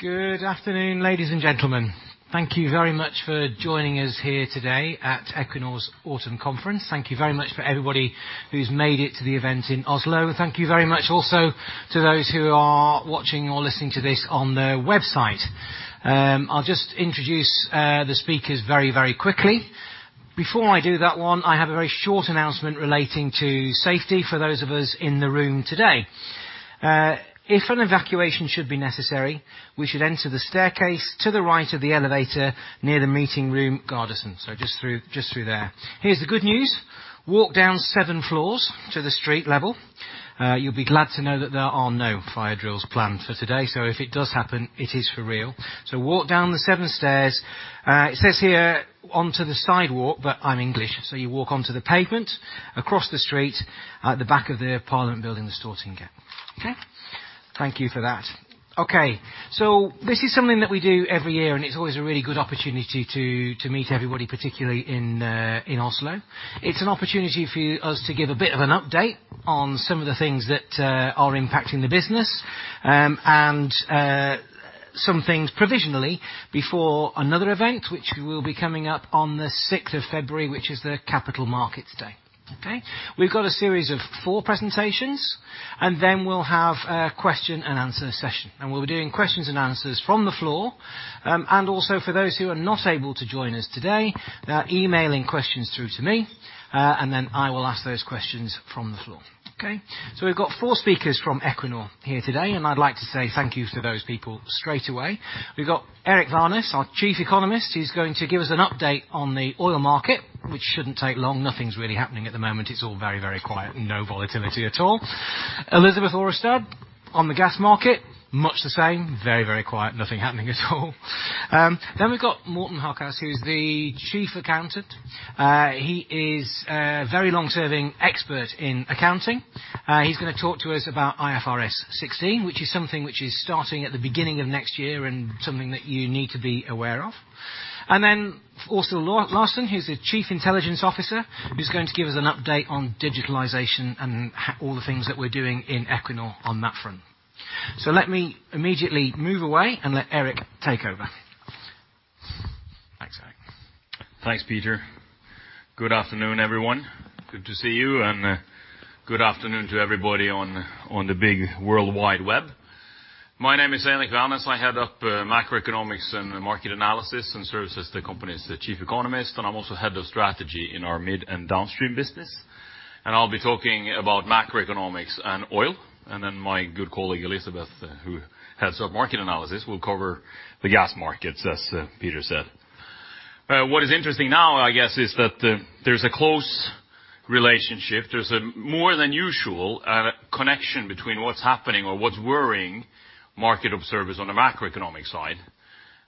Good afternoon, ladies and gentlemen. Thank you very much for joining us here today at Equinor's Autumn Conference. Thank you very much for everybody who's made it to the event in Oslo. Thank you very much also to those who are watching or listening to this on the website. I'll just introduce the speakers very, very quickly. Before I do that one, I have a very short announcement relating to safety for those of us in the room today. If an evacuation should be necessary, we should enter the staircase to the right of the elevator near the meeting room, Gartersen. Just through there. Here's the good news. Walk down seven floors to the street level. You'll be glad to know that there are no fire drills planned for today, so if it does happen, it is for real. Walk down the seven stairs. It says here onto the sidewalk, but I'm English, so you walk onto the pavement across the street, out the back of the parliament building, Stortinget. Okay? Thank you for that. Okay. This is something that we do every year, and it's always a really good opportunity to meet everybody, particularly in Oslo. It's an opportunity for us to give a bit of an update on some of the things that are impacting the business, some things provisionally before another event, which will be coming up on the sixth of February, which is the Capital Markets Day. Okay? We've got a series of four presentations, and then we'll have a question and answer session. We'll be doing questions and answers from the floor. Also for those who are not able to join us today, they're emailing questions through to me, and then I will ask those questions from the floor. Okay? We've got four speakers from Equinor here today, and I'd like to say thank you to those people straightaway. We've got Eirik Wærness, our Chief Economist. He's going to give us an update on the oil market, which shouldn't take long. Nothing's really happening at the moment. It's all very, very quiet. No volatility at all. Elisabeth Aarrestad on the gas market, much the same. Very, very quiet. Nothing happening at all. Then we've got Morten Haukaas, who's the Chief Accountant. He is a very long-serving expert in accounting. He's gonna talk to us about IFRS 16, which is something which is starting at the beginning of next year and something that you need to be aware of. Then Åshild Hanne Larsen, who's the Chief Intelligence Officer, who's going to give us an update on digitalization and all the things that we're doing in Equinor on that front. Let me immediately move away and let Eirik Wærness take over. Thanks, Eirik Wærness. Thanks, Peter. Good afternoon, everyone. Good to see you, and good afternoon to everybody on the big worldwide web. My name is Eirik Wærness. I head up macroeconomics and market analysis and serve as the company's chief economist, and I'm also head of strategy in our mid and downstream business. I'll be talking about macroeconomics and oil. My good colleague, Elisabeth, who heads up market analysis, will cover the gas markets, as Peter said. What is interesting now, I guess, is that there's a close relationship. There's a more than usual connection between what's happening or what's worrying market observers on the macroeconomic side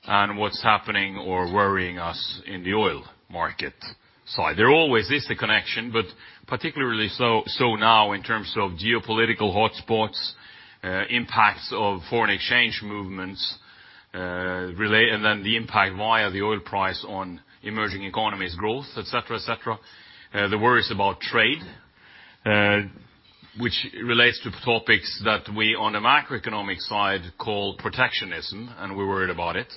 and what's happening or worrying us in the oil market side. There always is the connection, but particularly so now in terms of geopolitical hotspots, impacts of foreign exchange movements, and then the impact via the oil price on emerging economies growth, et cetera, et cetera. The worries about trade, which relates to topics that we on the macroeconomic side call protectionism, and we're worried about it,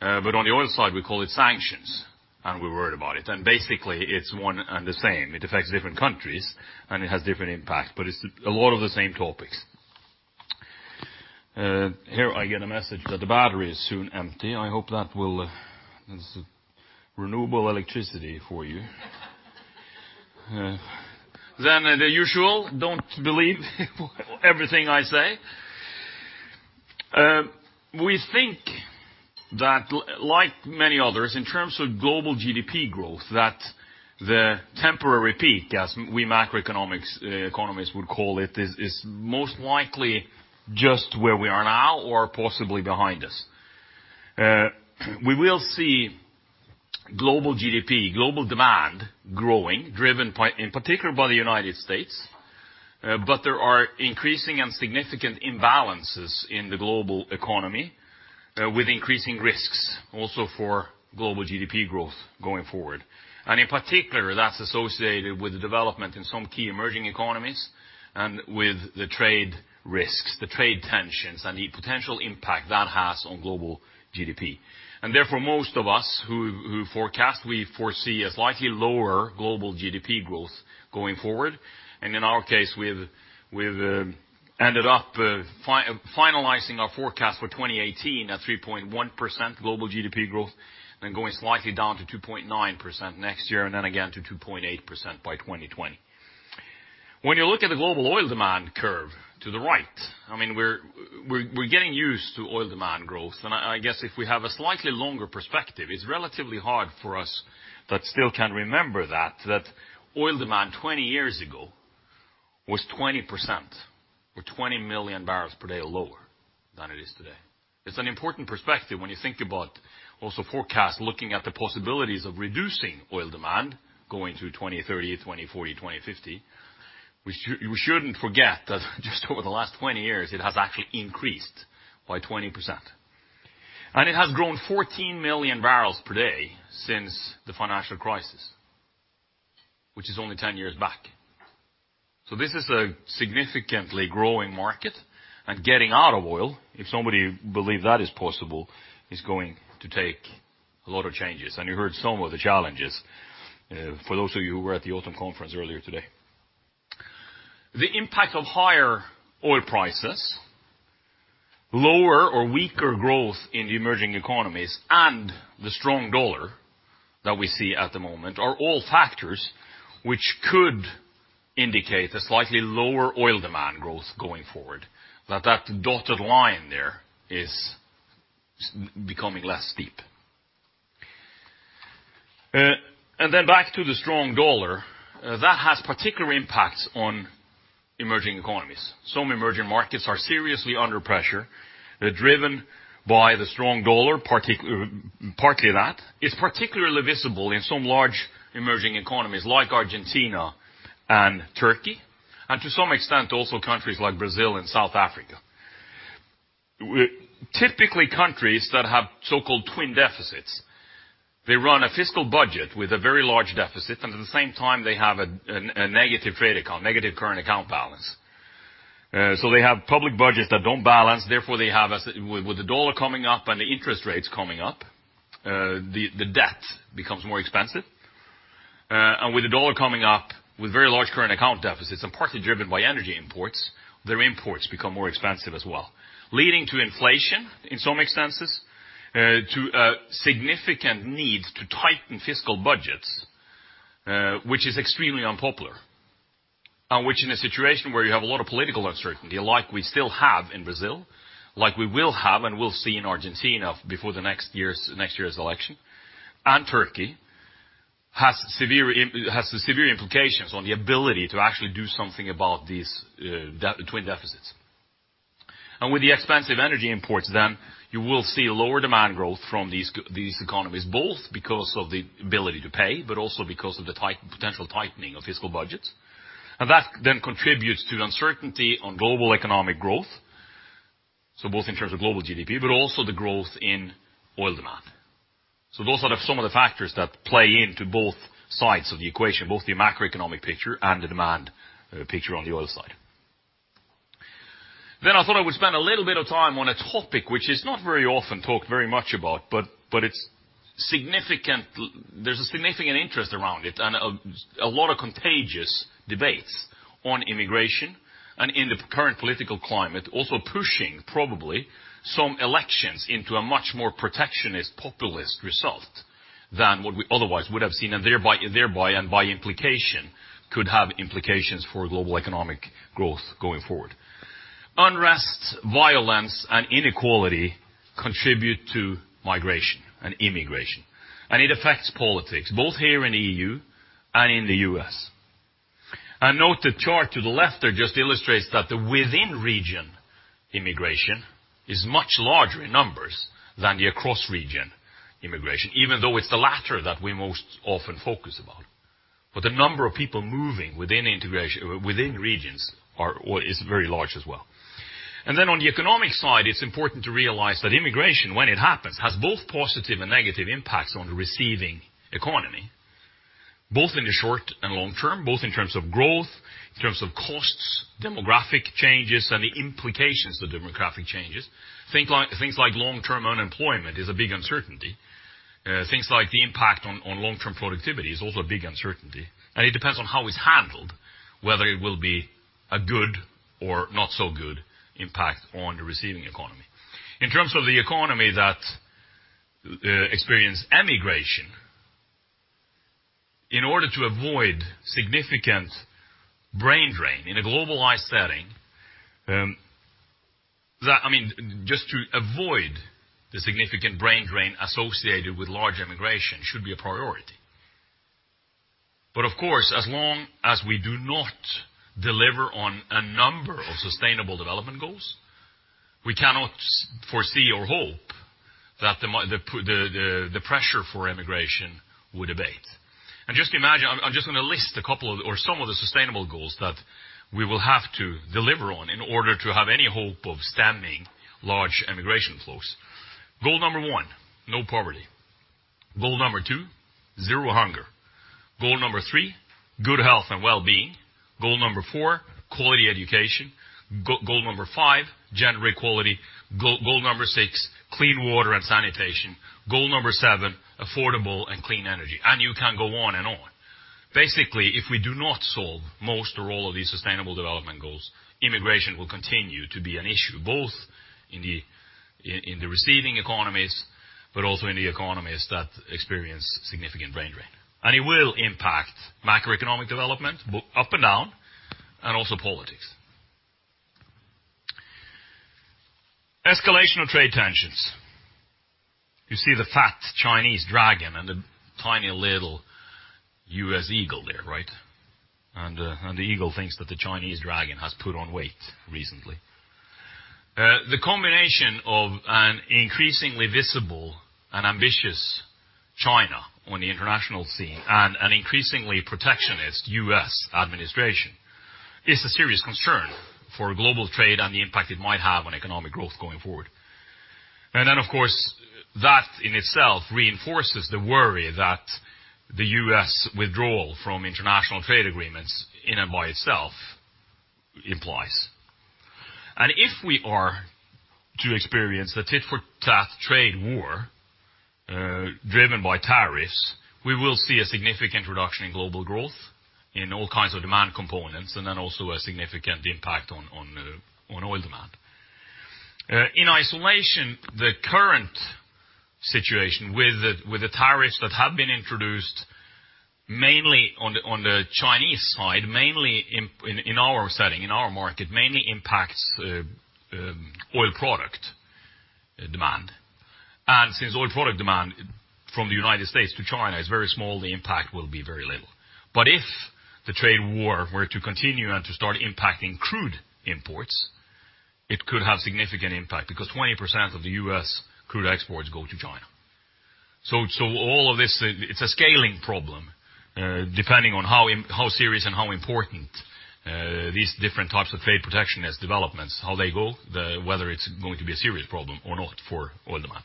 but on the oil side, we call it sanctions, and we're worried about it. Basically it's one and the same. It affects different countries, and it has different impact, but it's a lot of the same topics. Here I get a message that the battery is soon empty. I hope that will. It's renewable electricity for you. Yeah. Then the usual, don't believe everything I say. We think that like many others, in terms of global GDP growth, that the temporary peak, as macroeconomists would call it, is most likely just where we are now or possibly behind us. We will see global GDP, global demand growing, driven, in particular, by the United States, but there are increasing and significant imbalances in the global economy, with increasing risks also for global GDP growth going forward. In particular, that's associated with the development in some key emerging economies and with the trade risks, the trade tensions, and the potential impact that has on global GDP. Therefore, most of us who forecast, we foresee a slightly lower global GDP growth going forward. In our case, we've ended up finalizing our forecast for 2018 at 3.1% global GDP growth, then going slightly down to 2.9% next year, and then again to 2.8% by 2020. When you look at the global oil demand curve to the right, I mean, we're getting used to oil demand growth. I guess if we have a slightly longer perspective, it's relatively hard for us that still can remember that oil demand 20 years ago was 20% or 20 million barrels per day lower than it is today. It's an important perspective when you think about also forecast, looking at the possibilities of reducing oil demand going to 2030, 2040, 2050. We shouldn't forget that just over the last 20 years, it has actually increased by 20%. It has grown 14 million barrels per day since the financial crisis. Which is only 10 years back. This is a significantly growing market, and getting out of oil, if somebody believe that is possible, is going to take a lot of changes. You heard some of the challenges, for those of you who were at the Autumn Conference earlier today. The impact of higher oil prices, lower or weaker growth in the emerging economies, and the strong dollar that we see at the moment, are all factors which could indicate a slightly lower oil demand growth going forward, that the dotted line there is becoming less steep. Back to the strong dollar. That has particular impacts on emerging economies. Some emerging markets are seriously under pressure. They're driven by the strong dollar, partly that. It's particularly visible in some large emerging economies like Argentina and Turkey, and to some extent, also countries like Brazil and South Africa. Typically, countries that have so-called twin deficits, they run a fiscal budget with a very large deficit, and at the same time, they have negative trade account, negative current account balance. They have public budgets that don't balance, therefore, they have, with the dollar coming up and the interest rates coming up, the debt becomes more expensive. With the dollar coming up with very large current account deficits, and partly driven by energy imports, their imports become more expensive as well, leading to inflation in some extents, to a significant need to tighten fiscal budgets, which is extremely unpopular. Which in a situation where you have a lot of political uncertainty like we still have in Brazil, like we will have and will see in Argentina before the next year's election, and Turkey, has some severe implications on the ability to actually do something about these twin deficits. With the expensive energy imports then, you will see lower demand growth from these economies, both because of the ability to pay, but also because of the potential tightening of fiscal budgets. That then contributes to uncertainty on global economic growth, so both in terms of global GDP, but also the growth in oil demand. Those are some of the factors that play into both sides of the equation, both the macroeconomic picture and the demand picture on the oil side. I thought I would spend a little bit of time on a topic which is not very often talked very much about, but it's significant, there's a significant interest around it and a lot of contentious debates on immigration. In the current political climate, also pushing probably some elections into a much more protectionist, populist result than what we otherwise would have seen, and thereby and by implication, could have implications for global economic growth going forward. Unrest, violence, and inequality contribute to migration and immigration, and it affects politics, both here in EU and in the U.S. Note the chart to the left there just illustrates that the within region immigration is much larger in numbers than the across region immigration, even though it's the latter that we most often focus about. The number of people moving within integration or within regions are or is very large as well. On the economic side, it's important to realize that immigration, when it happens, has both positive and negative impacts on the receiving economy, both in the short and long term, both in terms of growth, in terms of costs, demographic changes, and the implications of demographic changes. Think like, things like long-term unemployment is a big uncertainty. Things like the impact on long-term productivity is also a big uncertainty. It depends on how it's handled, whether it will be a good or not so good impact on the receiving economy. In terms of the economy that experience emigration, in order to avoid significant brain drain in a globalized setting, I mean, just to avoid the significant brain drain associated with large immigration should be a priority. Of course, as long as we do not deliver on a number of Sustainable Development Goals, we cannot foresee or hope that the pressure for immigration would abate. Just imagine, I'm just gonna list a couple of or some of the Sustainable Development Goals that we will have to deliver on in order to have any hope of stemming large immigration flows. Goal number 1, no poverty. Goal number 2, zero hunger. Goal number 3, good health and wellbeing. Goal number 4, quality education. Goal number 5, gender equality. Goal number 6, clean water and sanitation. Goal number 7, affordable and clean energy. You can go on and on. Basically, if we do not solve most or all of these sustainable development goals, immigration will continue to be an issue, both in the receiving economies, but also in the economies that experience significant brain drain. It will impact macroeconomic development, up and down, and also politics. Escalation of trade tensions. You see the fat Chinese dragon and the tiny little U.S. eagle there, right? The eagle thinks that the Chinese dragon has put on weight recently. The combination of an increasingly visible and ambitious China on the international scene and an increasingly protectionist U.S. administration. It's a serious concern for global trade and the impact it might have on economic growth going forward. Of course, that in itself reinforces the worry that the U.S. withdrawal from international trade agreements in and by itself implies. If we are to experience a tit-for-tat trade war, driven by tariffs, we will see a significant reduction in global growth in all kinds of demand components, and then also a significant impact on oil demand. In isolation, the current situation with the tariffs that have been introduced, mainly on the Chinese side, mainly in our setting, in our market, mainly impacts oil product demand. Since oil product demand from the United States to China is very small, the impact will be very little. If the trade war were to continue and to start impacting crude imports, it could have significant impact because 20% of the U.S. crude exports go to China. All of this, it's a scaling problem, depending on how serious and how important these different types of trade protectionist developments, how they go, whether it's going to be a serious problem or not for oil demand.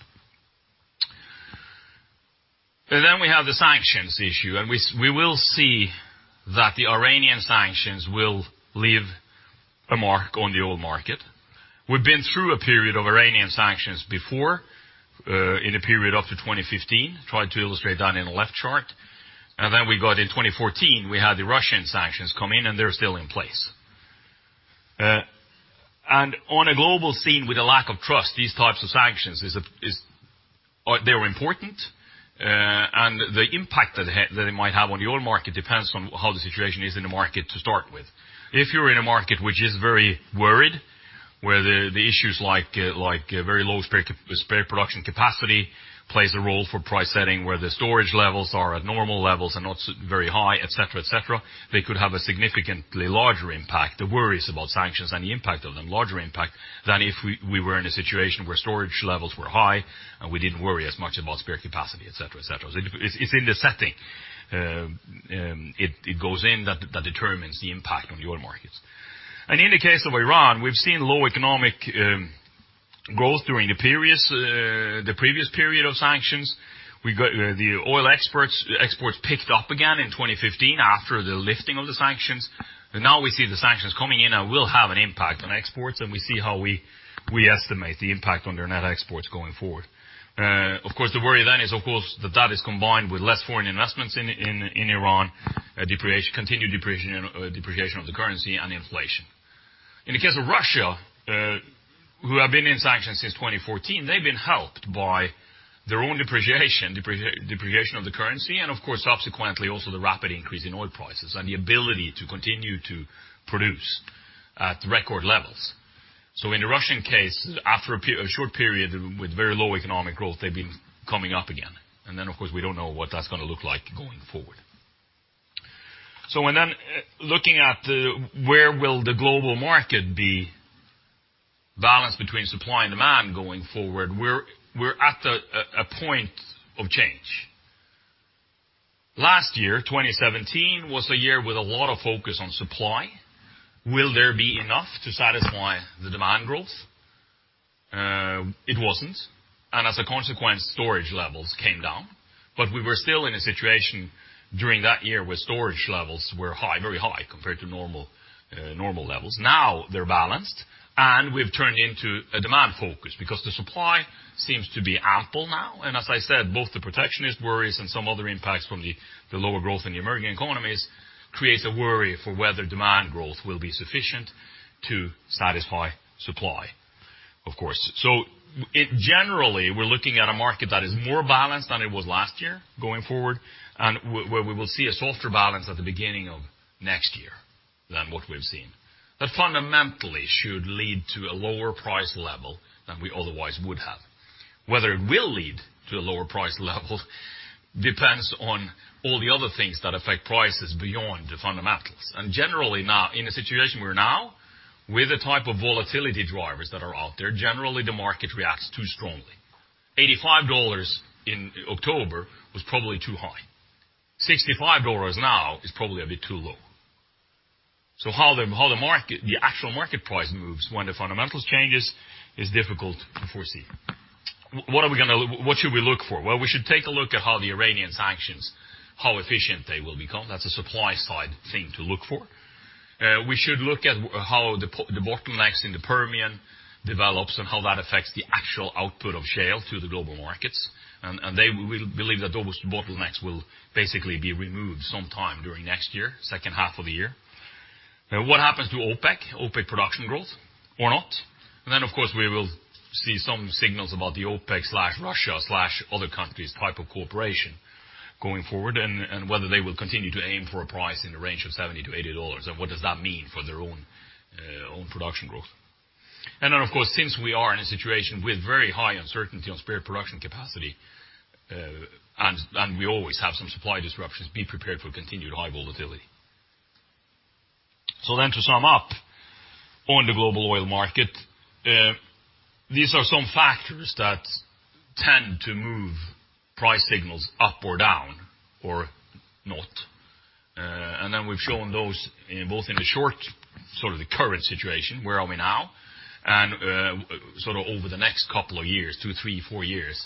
Then we have the sanctions issue, and we will see that the Iranian sanctions will leave a mark on the oil market. We've been through a period of Iranian sanctions before, in a period up to 2015. Tried to illustrate that in the left chart. We got in 2014, we had the Russian sanctions come in, and they're still in place. On a global scene with a lack of trust, these types of sanctions are important. The impact that it might have on the oil market depends on how the situation is in the market to start with. If you're in a market which is very worried, where the issues like very low spare production capacity plays a role for price setting, where the storage levels are at normal levels and not so very high, et cetera, they could have a significantly larger impact. The worry is about sanctions and the impact of the larger impact than if we were in a situation where storage levels were high, and we didn't worry as much about spare capacity, et cetera, et cetera. It's in the setting, it goes in that that determines the impact on the oil markets. In the case of Iran, we've seen low economic growth during the previous period of sanctions. We got the oil exports picked up again in 2015 after the lifting of the sanctions. Now we see the sanctions coming in and will have an impact on exports, and we see how we estimate the impact on their net exports going forward. Of course, the worry then is that that is combined with less foreign investments in Iran, continued depreciation of the currency and inflation. In the case of Russia, who have been in sanctions since 2014, they've been helped by their own depreciation of the currency, and of course, subsequently also the rapid increase in oil prices and the ability to continue to produce at record levels. In the Russian case, after a short period with very low economic growth, they've been coming up again. Of course, we don't know what that's gonna look like going forward. When then looking at the where will the global market be balanced between supply and demand going forward, we're at a point of change. Last year, 2017 was a year with a lot of focus on supply. Will there be enough to satisfy the demand growth? It wasn't, and as a consequence, storage levels came down. We were still in a situation during that year where storage levels were high, very high compared to normal levels. Now they're balanced, and we've turned into a demand focus because the supply seems to be ample now. As I said, both the protectionist worries and some other impacts from the lower growth in the emerging economies creates a worry for whether demand growth will be sufficient to satisfy supply, of course. It generally, we're looking at a market that is more balanced than it was last year going forward, and where we will see a softer balance at the beginning of next year than what we've seen. That fundamentally should lead to a lower price level than we otherwise would have. Whether it will lead to a lower price level depends on all the other things that affect prices beyond the fundamentals. Generally, now, in a situation we're now, with the type of volatility drivers that are out there, generally, the market reacts too strongly. $85 in October was probably too high. $65 now is probably a bit too low. How the market, the actual market price moves when the fundamentals changes is difficult to foresee. What should we look for? Well, we should take a look at how the Iranian sanctions, how efficient they will become. That's a supply side thing to look for. We should look at how the bottlenecks in the Permian develop and how that affects the actual output of shale to the global markets. We believe that those bottlenecks will basically be removed sometime during next year, second half of the year. What happens to OPEC? OPEC production growth or not? Then, of course, we will see some signals about the OPEC/Russia/other countries type of cooperation going forward, and whether they will continue to aim for a price in the range of $70-$80, and what does that mean for their own production growth. Then, of course, since we are in a situation with very high uncertainty on spare production capacity, and we always have some supply disruptions, be prepared for continued high volatility. To sum up on the global oil market, these are some factors that tend to move price signals up or down, or not. We've shown those both in the short, sort of the current situation, where are we now? Sort of over the next couple of years, 2, 3, 4 years,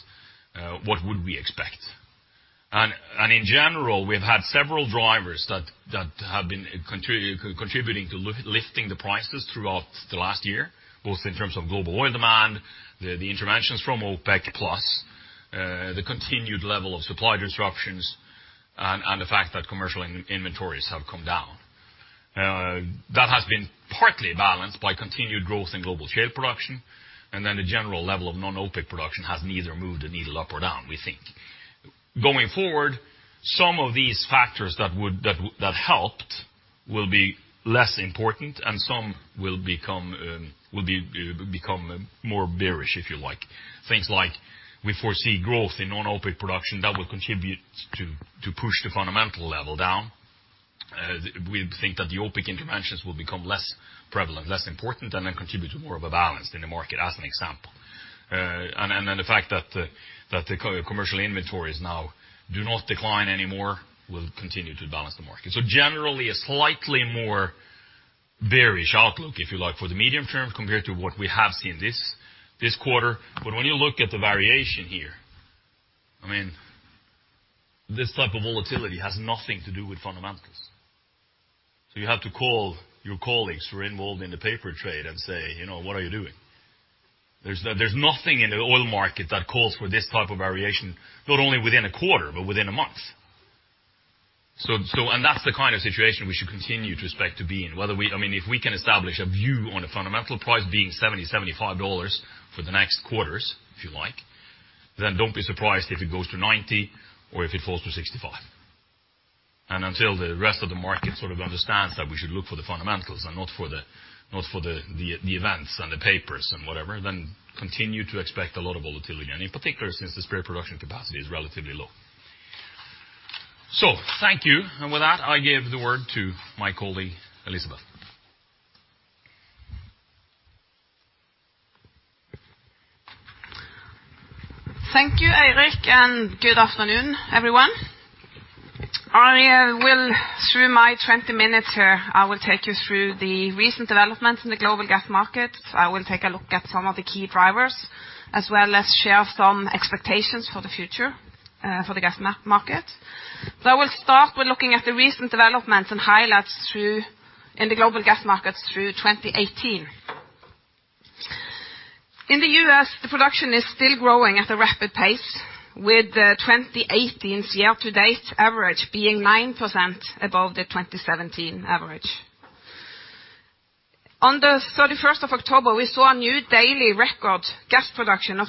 what would we expect? In general, we've had several drivers that have been contributing to lifting the prices throughout the last year, both in terms of global oil demand, the interventions from OPEC Plus, the continued level of supply disruptions and the fact that commercial inventories have come down. That has been partly balanced by continued growth in global shale production, and then the general level of non-OPEC production has neither moved the needle up or down, we think. Going forward, some of these factors that helped will be less important and some will become more bearish, if you like. Things like we foresee growth in non-OPEC production that will contribute to push the fundamental level down. We think that the OPEC interventions will become less prevalent, less important, and then contribute to more of a balance in the market as an example. Then the fact that the commercial inventories now do not decline anymore will continue to balance the market. Generally, a slightly more bearish outlook, if you like, for the medium term compared to what we have seen this quarter. When you look at the variation here, I mean, this type of volatility has nothing to do with fundamentals. You have to call your colleagues who are involved in the paper trade and say, you know, "What are you doing?" There's nothing in the oil market that calls for this type of variation, not only within a quarter, but within a month. That's the kind of situation we should continue to expect to be in. Whether we, I mean, if we can establish a view on a fundamental price being $70-$75 for the next quarters, if you like, then don't be surprised if it goes to $90 or if it falls to $65. Until the rest of the market sort of understands that we should look for the fundamentals and not for the events and the papers and whatever, then continue to expect a lot of volatility. In particular, since the spare production capacity is relatively low. Thank you. With that, I give the word to my colleague, Elisabeth. Thank you, Eirik, and good afternoon, everyone. I will, through my 20 minutes here, I will take you through the recent developments in the global gas markets. I will take a look at some of the key drivers, as well as share some expectations for the future for the gas market. I will start with looking at the recent developments and highlights through 2018 in the global gas markets. In the U.S., the production is still growing at a rapid pace with 2018's year to date average being 9% above the 2017 average. On the 31st of October, we saw a new daily record gas production of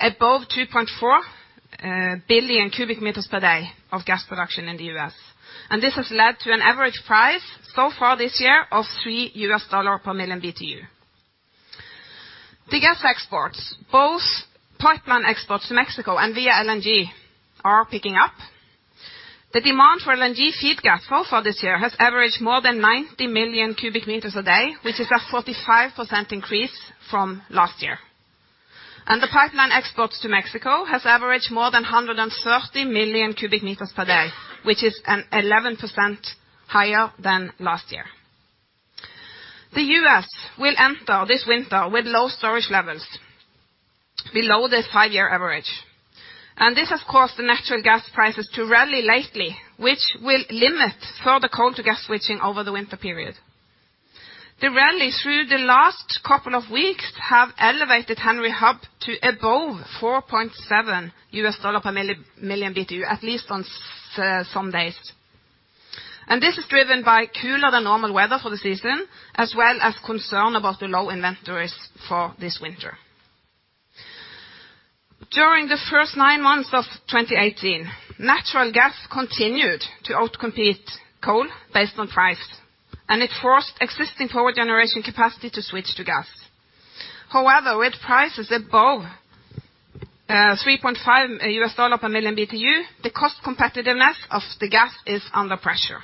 above 2.4 billion cubic meters per day of gas production in the U.S. This has led to an average price so far this year of $3 per million BTU. The gas exports, both pipeline exports to Mexico and via LNG, are picking up. The demand for LNG feed gas so far this year has averaged more than 90 million cubic meters a day, which is a 45% increase from last year. The pipeline exports to Mexico has averaged more than 130 million cubic meters per day, which is an 11% higher than last year. The U.S. will enter this winter with low storage levels below the 5-year average. This has caused the natural gas prices to rally lately, which will limit further coal-to-gas switching over the winter period. The rally through the last couple of weeks have elevated Henry Hub to above $4.7 per million BTU, at least on some days. This is driven by cooler than normal weather for the season, as well as concern about the low inventories for this winter. During the first nine months of 2018, natural gas continued to outcompete coal based on price, and it forced existing power generation capacity to switch to gas. However, with prices above 3.5 $ per million BTU, the cost competitiveness of the gas is under pressure.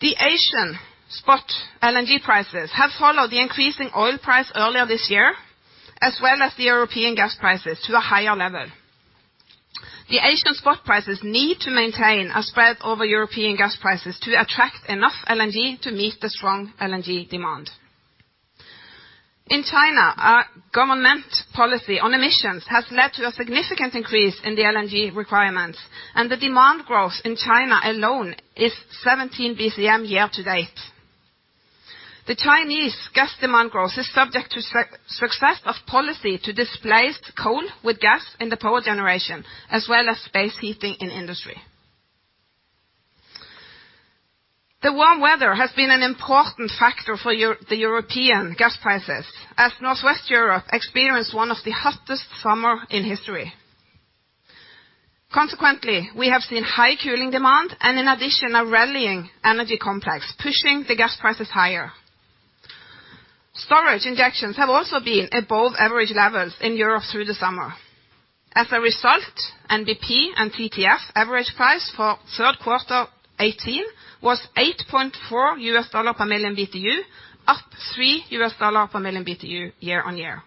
The Asian spot LNG prices have followed the increasing oil price earlier this year, as well as the European gas prices to the higher level. The Asian spot prices need to maintain a spread over European gas prices to attract enough LNG to meet the strong LNG demand. In China, a government policy on emissions has led to a significant increase in the LNG requirements, and the demand growth in China alone is 17 BCM year to date. The Chinese gas demand growth is subject to success of policy to displace coal with gas in the power generation, as well as space heating in industry. The warm weather has been an important factor for the European gas prices as Northwest Europe experienced one of the hottest summer in history. Consequently, we have seen high cooling demand and in addition, a rallying energy complex pushing the gas prices higher. Storage injections have also been above average levels in Europe through the summer. As a result, NBP and TTF average price for third quarter 2018 was $8.4 per million BTU, up $3 per million BTU year-on-year,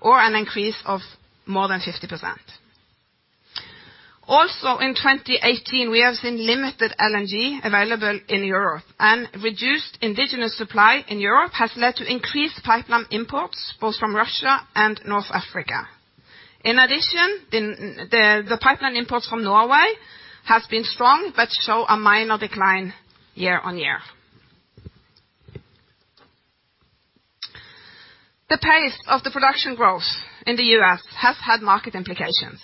or an increase of more than 50%. Also in 2018, we have seen limited LNG available in Europe, and reduced indigenous supply in Europe has led to increased pipeline imports, both from Russia and North Africa. In addition, the pipeline imports from Norway has been strong, but show a minor decline year-on-year. The pace of the production growth in the U.S. has had market implications.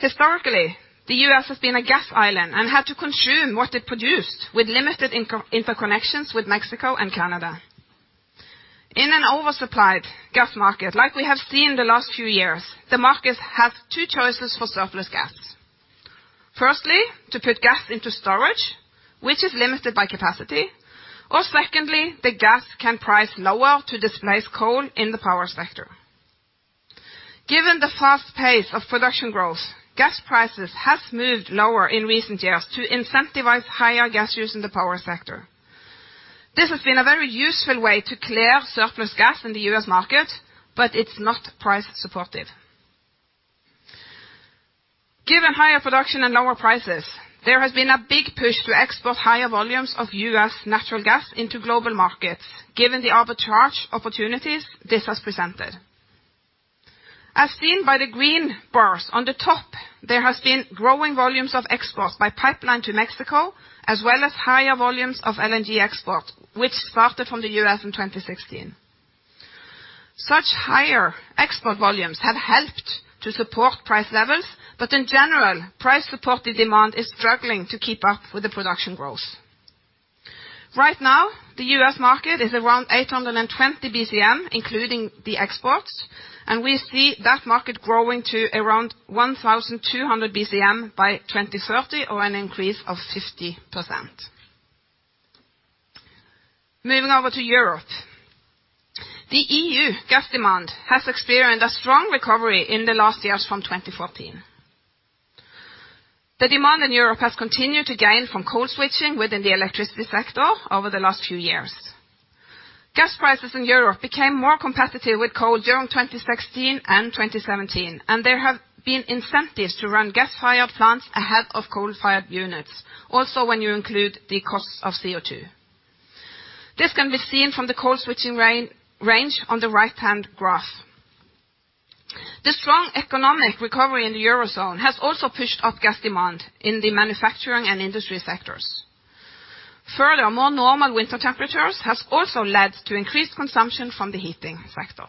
Historically, the U.S. has been a gas island and had to consume what it produced with limited interconnections with Mexico and Canada. In an oversupplied gas market like we have seen in the last few years, the markets have two choices for surplus gas. Firstly, to put gas into storage, which is limited by capacity, or secondly, the gas can price lower to displace coal in the power sector. Given the fast pace of production growth, gas prices has moved lower in recent years to incentivize higher gas use in the power sector. This has been a very useful way to clear surplus gas in the U.S. market, but it's not price supportive. Given higher production and lower prices, there has been a big push to export higher volumes of U.S. natural gas into global markets, given the arbitrage opportunities this has presented. As seen by the green bars on the top, there has been growing volumes of exports by pipeline to Mexico, as well as higher volumes of LNG exports, which started from the U.S. in 2016. Such higher export volumes have helped to support price levels, but in general, price-supported demand is struggling to keep up with the production growth. Right now, the U.S. market is around 820 BCM, including the exports, and we see that market growing to around 1,200 BCM by 2030, or an increase of 50%. Moving over to Europe. The EU gas demand has experienced a strong recovery in the last years from 2014. The demand in Europe has continued to gain from coal switching within the electricity sector over the last few years. Gas prices in Europe became more competitive with coal during 2016 and 2017, and there have been incentives to run gas-fired plants ahead of coal-fired units, also when you include the costs of CO2. This can be seen from the coal switching range on the right-hand graph. The strong economic recovery in the Eurozone has also pushed up gas demand in the manufacturing and industry sectors. Further, more normal winter temperatures has also led to increased consumption from the heating sector.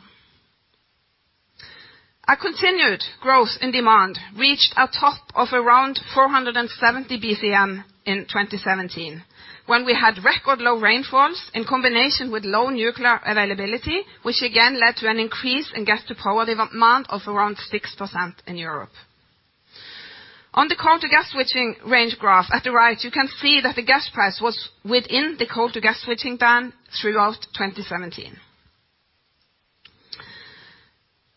A continued growth in demand reached a top of around 470 BCM in 2017, when we had record low rainfalls in combination with low nuclear availability, which again led to an increase in gas-to-power demand of around 6% in Europe. On the coal-to-gas switching range graph at the right, you can see that the gas price was within the coal-to-gas switching band throughout 2017.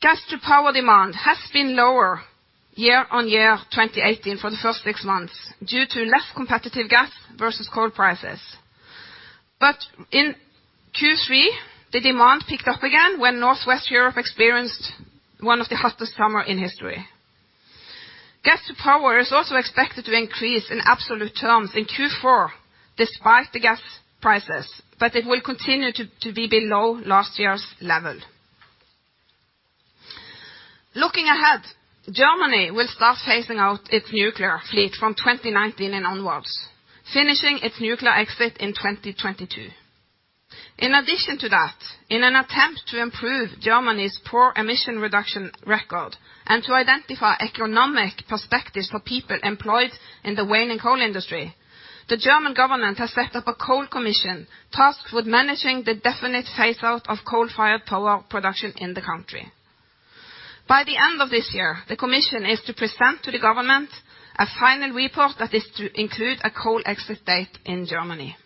Gas-to-power demand has been lower year-on-year 2018 for the first six months due to less competitive gas versus coal prices. In Q3, the demand picked up again when Northwest Europe experienced one of the hottest summer in history. Gas-to-power is also expected to increase in absolute terms in Q4 despite the gas prices, but it will continue to be below last year's level. Looking ahead, Germany will start phasing out its nuclear fleet from 2019 and onwards, finishing its nuclear exit in 2022. In addition to that, in an attempt to improve Germany's poor emission reduction record and to identify economic perspectives for people employed in the waning coal industry, the German government has set up a coal commission tasked with managing the definite phase-out of coal-fired power production in the country. By the end of this year, the commission is to present to the government a final report that is to include a coal exit date in Germany.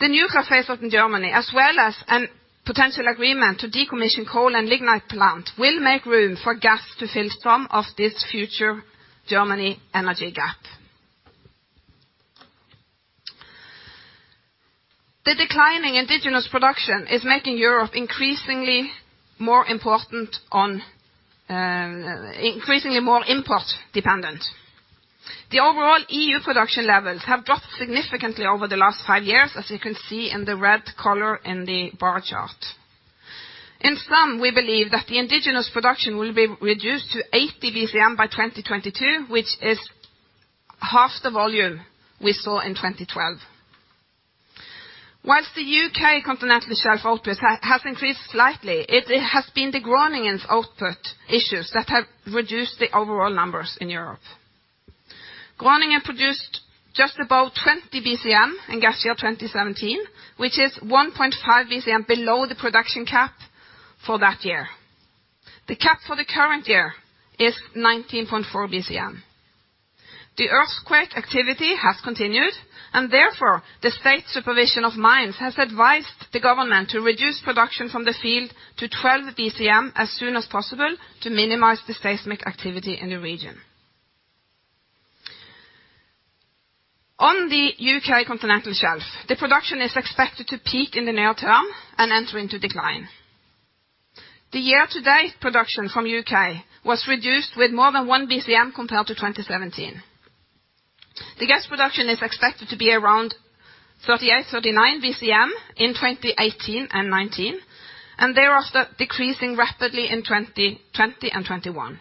The nuclear phase-out in Germany, as well as a potential agreement to decommission coal and lignite plant, will make room for gas to fill some of this future Germany energy gap. The declining indigenous production is making Europe increasingly more import-dependent. The overall EU production levels have dropped significantly over the last 5 years, as you can see in the red color in the bar chart. In sum, we believe that the indigenous production will be reduced to 80 BCM by 2022, which is half the volume we saw in 2012. While the UK continental shelf output has increased slightly, it has been the Groningen's output issues that have reduced the overall numbers in Europe. Groningen produced just above 20 BCM in gas year 2017, which is 1.5 BCM below the production cap for that year. The cap for the current year is 19.4 BCM. The earthquake activity has continued, and therefore the State Supervision of Mines has advised the government to reduce production from the field to 12 BCM as soon as possible to minimize the seismic activity in the region. On the U.K. continental shelf, the production is expected to peak in the near term and enter into decline. The year-to-date production from U.K. was reduced with more than 1 BCM compared to 2017. The gas production is expected to be around 38-39 BCM in 2018 and 2019, and thereafter decreasing rapidly in 2020 and 2021.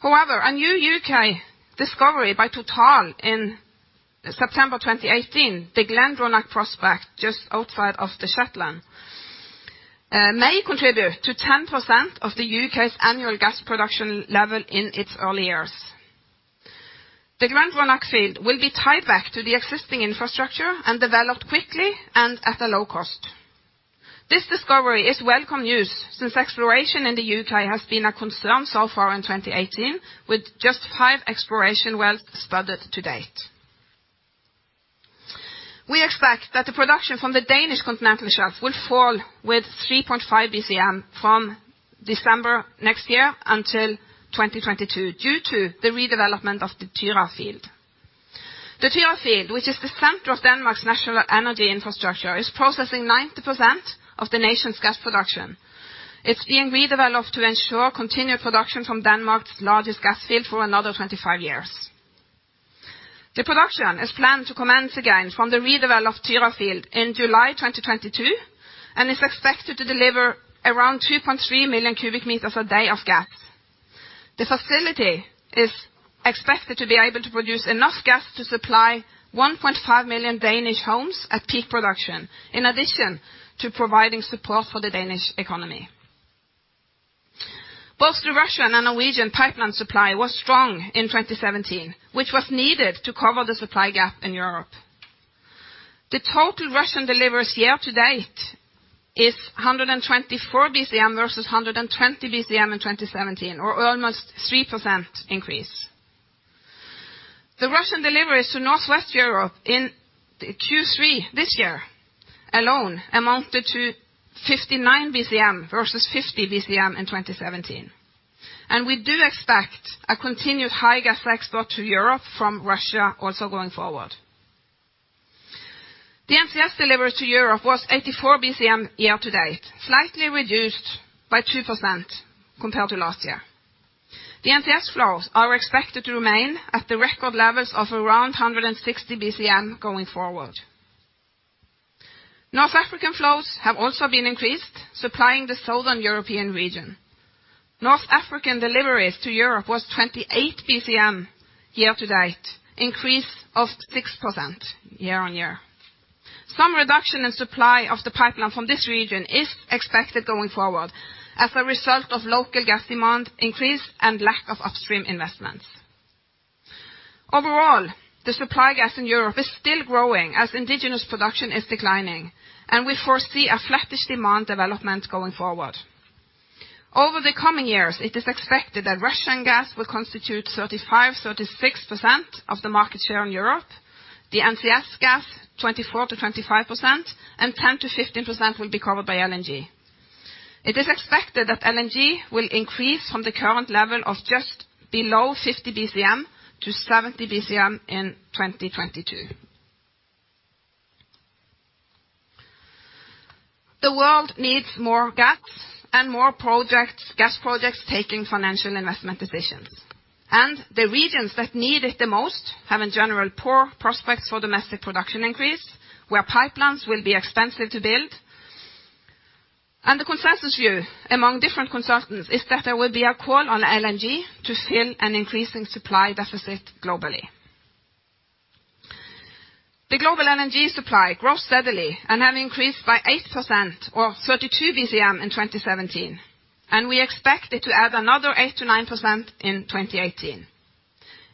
However, a new U.K. discovery by Total in September 2018, the Glendronach prospect just outside of the Shetland, may contribute to 10% of the U.K.'s annual gas production level in its early years. The Glendronach field will be tied back to the existing infrastructure and developed quickly and at a low cost. This discovery is welcome news since exploration in the UK has been a concern so far in 2018, with just five exploration wells spudded to date. We expect that the production from the Danish continental shelf will fall by 3.5 BCM from December next year until 2022 due to the redevelopment of the Tyra field. The Tyra field, which is the center of Denmark's national energy infrastructure, is processing 90% of the nation's gas production. It's being redeveloped to ensure continued production from Denmark's largest gas field for another 25 years. The production is planned to commence again from the redeveloped Tyra field in July 2022 and is expected to deliver around 2.3 million cubic meters a day of gas. The facility is expected to be able to produce enough gas to supply 1.5 million Danish homes at peak production, in addition to providing support for the Danish economy. Both the Russian and Norwegian pipeline supply was strong in 2017, which was needed to cover the supply gap in Europe. The total Russian deliveries year to date is 124 BCM versus 120 BCM in 2017 or almost 3% increase. The Russian deliveries to Northwest Europe in Q3 this year alone amounted to 59 BCM versus 50 BCM in 2017. We do expect a continued high gas export to Europe from Russia also going forward. The NCS delivery to Europe was 84 BCM year to date, slightly reduced by 2% compared to last year. The NCS flows are expected to remain at the record levels of around 160 BCM going forward. North African flows have also been increased, supplying the Southern European region. North African deliveries to Europe was 28 BCM year to date, increase of 6% year-on-year. Some reduction in supply of the pipeline from this region is expected going forward as a result of local gas demand increase and lack of upstream investments. Overall, the supply gas in Europe is still growing as indigenous production is declining, and we foresee a flattish demand development going forward. Over the coming years, it is expected that Russian gas will constitute 35-36% of the market share in Europe, the NCS gas 24%-25%, and 10%-15% will be covered by LNG. It is expected that LNG will increase from the current level of just below 50 BCM to 70 BCM in 2022. The world needs more gas and more projects, gas projects taking financial investment decisions. The regions that need it the most have in general poor prospects for domestic production increase, where pipelines will be expensive to build. The consensus view among different consultants is that there will be a call on LNG to fill an increasing supply deficit globally. The global LNG supply grows steadily and have increased by 8% or 32 BCM in 2017, and we expect it to add another 8%-9% in 2018.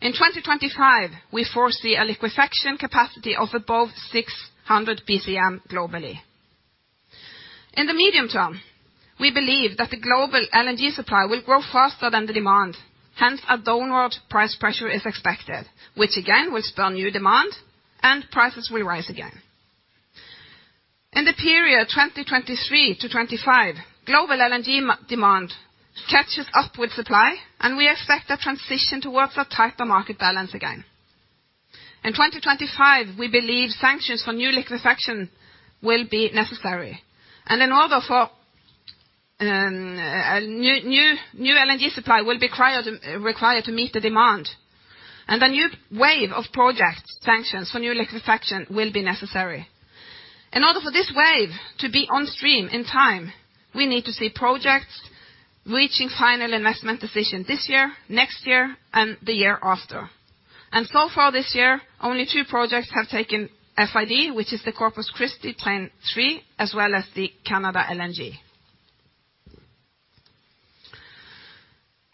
In 2025, we foresee a liquefaction capacity of above 600 BCM globally. In the medium term, we believe that the global LNG supply will grow faster than the demand, hence a downward price pressure is expected, which again will spur new demand and prices will rise again. In the period 2023 to 2025, global LNG demand catches up with supply, and we expect a transition towards a tighter market balance again. In 2025, we believe sanctions for new liquefaction will be necessary. In order for a new LNG supply will be required to meet the demand. A new wave of project sanctions for new liquefaction will be necessary. In order for this wave to be on stream in time, we need to see projects reaching final investment decision this year, next year, and the year after. So far this year, only 2 projects have taken FID, which is the Corpus Christi Train 3 as well as the LNG Canada.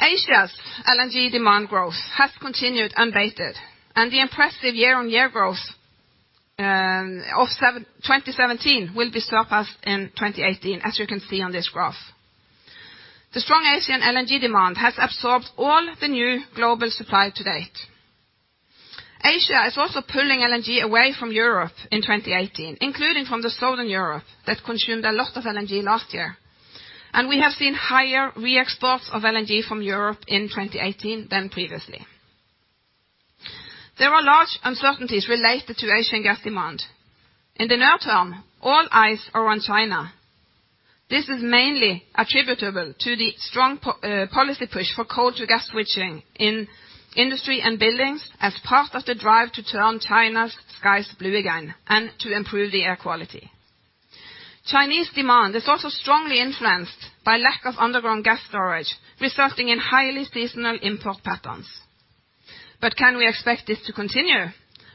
Asia's LNG demand growth has continued unabated, and the impressive year-on-year growth of 2017 will be surpassed in 2018, as you can see on this graph. The strong Asian LNG demand has absorbed all the new global supply to date. Asia is also pulling LNG away from Europe in 2018, including from the Southern Europe that consumed a lot of LNG last year. We have seen higher reexports of LNG from Europe in 2018 than previously. There are large uncertainties related to Asian gas demand. In the near term, all eyes are on China. This is mainly attributable to the strong policy push for coal to gas switching in industry and buildings as part of the drive to turn China's skies blue again and to improve the air quality. Chinese demand is also strongly influenced by lack of underground gas storage, resulting in highly seasonal import patterns. Can we expect this to continue?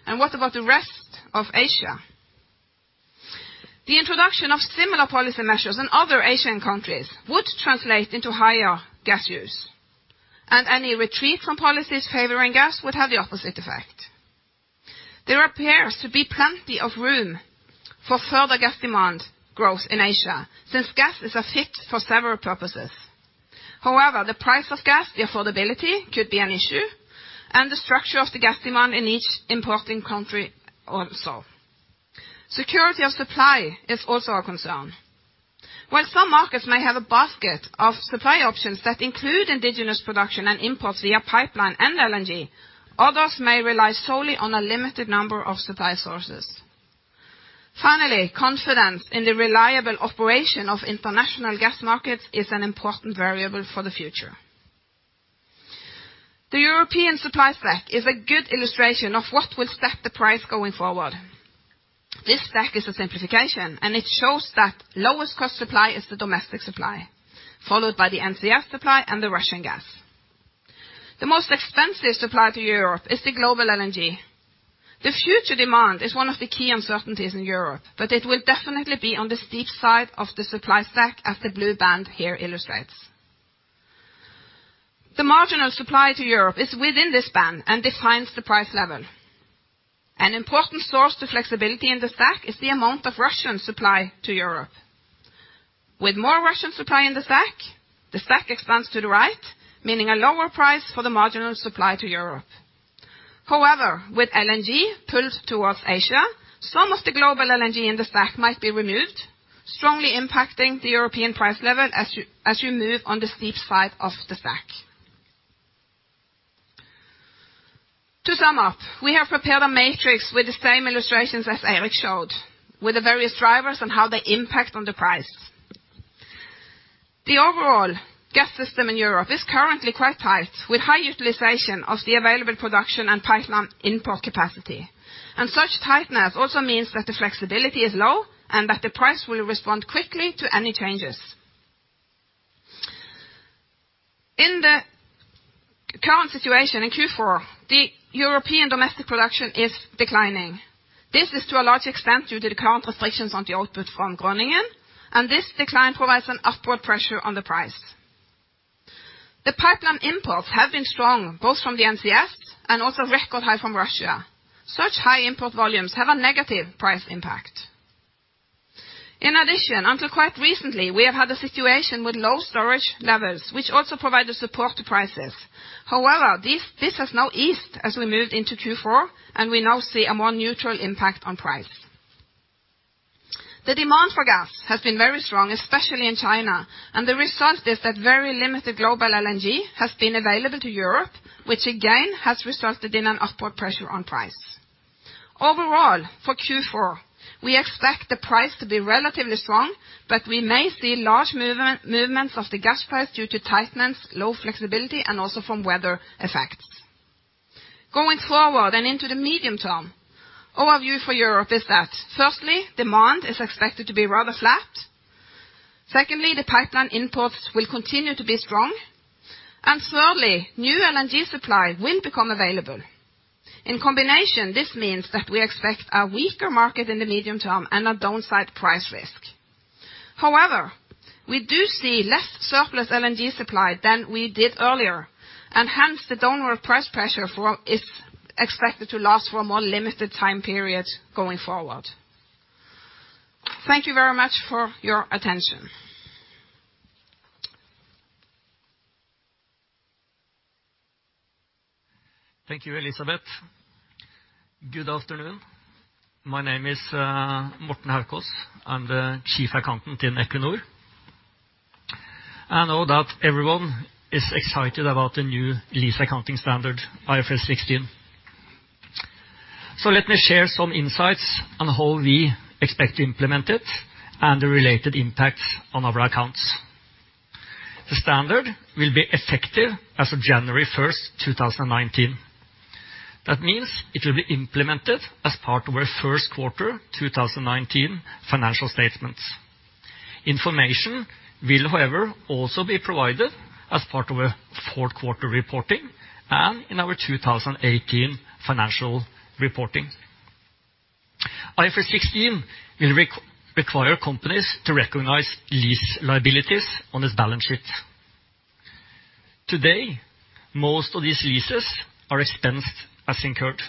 What about the rest of Asia? The introduction of similar policy measures in other Asian countries would translate into higher gas use, and any retreat from policies favoring gas would have the opposite effect. There appears to be plenty of room for further gas demand growth in Asia, since gas is a fit for several purposes. However, the price of gas, the affordability could be an issue, and the structure of the gas demand in each importing country also. Security of supply is also a concern. While some markets may have a basket of supply options that include indigenous production and imports via pipeline and LNG, others may rely solely on a limited number of supply sources. Finally, confidence in the reliable operation of international gas markets is an important variable for the future. The European supply stack is a good illustration of what will set the price going forward. This stack is a simplification, and it shows that lowest cost supply is the domestic supply, followed by the NCS supply and the Russian gas. The most expensive supply to Europe is the global LNG. The future demand is one of the key uncertainties in Europe, but it will definitely be on the steep side of the supply stack, as the blue band here illustrates. The marginal supply to Europe is within this band and defines the price level. An important source to flexibility in the stack is the amount of Russian supply to Europe. With more Russian supply in the stack, the stack expands to the right, meaning a lower price for the marginal supply to Europe. However, with LNG pulled towards Asia, some of the global LNG in the stack might be removed, strongly impacting the European price level as you move on the steep side of the stack. To sum up, we have prepared a matrix with the same illustrations as Eirik showed, with the various drivers and how they impact on the price. The overall gas system in Europe is currently quite tight, with high utilization of the available production and pipeline import capacity. Such tightness also means that the flexibility is low and that the price will respond quickly to any changes. In the current situation in Q4, the European domestic production is declining. This is to a large extent due to the current restrictions on the output from Groningen, and this decline provides an upward pressure on the price. The pipeline imports have been strong, both from the NCS and also record high from Russia. Such high import volumes have a negative price impact. In addition, until quite recently, we have had a situation with low storage levels, which also provided support to prices. However, this has now eased as we moved into Q4, and we now see a more neutral impact on price. The demand for gas has been very strong, especially in China, and the result is that very limited global LNG has been available to Europe, which again has resulted in an upward pressure on price. Overall, for Q4, we expect the price to be relatively strong, but we may see large movements of the gas price due to tightness, low flexibility, and also from weather effects. Going forward and into the medium term, our view for Europe is that, firstly, demand is expected to be rather flat. Secondly, the pipeline imports will continue to be strong. Thirdly, new LNG supply will become available. In combination, this means that we expect a weaker market in the medium term and a downside price risk. However, we do see less surplus LNG supply than we did earlier, and hence the downward price pressure is expected to last for a more limited time period going forward. Thank you very much for your attention. Thank you, Elisabeth. Good afternoon. My name is, Morten Haukaas. I'm the chief accountant in Equinor. I know that everyone is excited about the new lease accounting standard, IFRS 16. Let me share some insights on how we expect to implement it and the related impacts on our accounts. The standard will be effective as of January first, 2019. That means it will be implemented as part of our first quarter 2019 financial statements. Information will, however, also be provided as part of our fourth quarter reporting and in our 2018 financial reporting. IFRS 16 will require companies to recognize lease liabilities on its balance sheet. Today, most of these leases are expensed as incurred.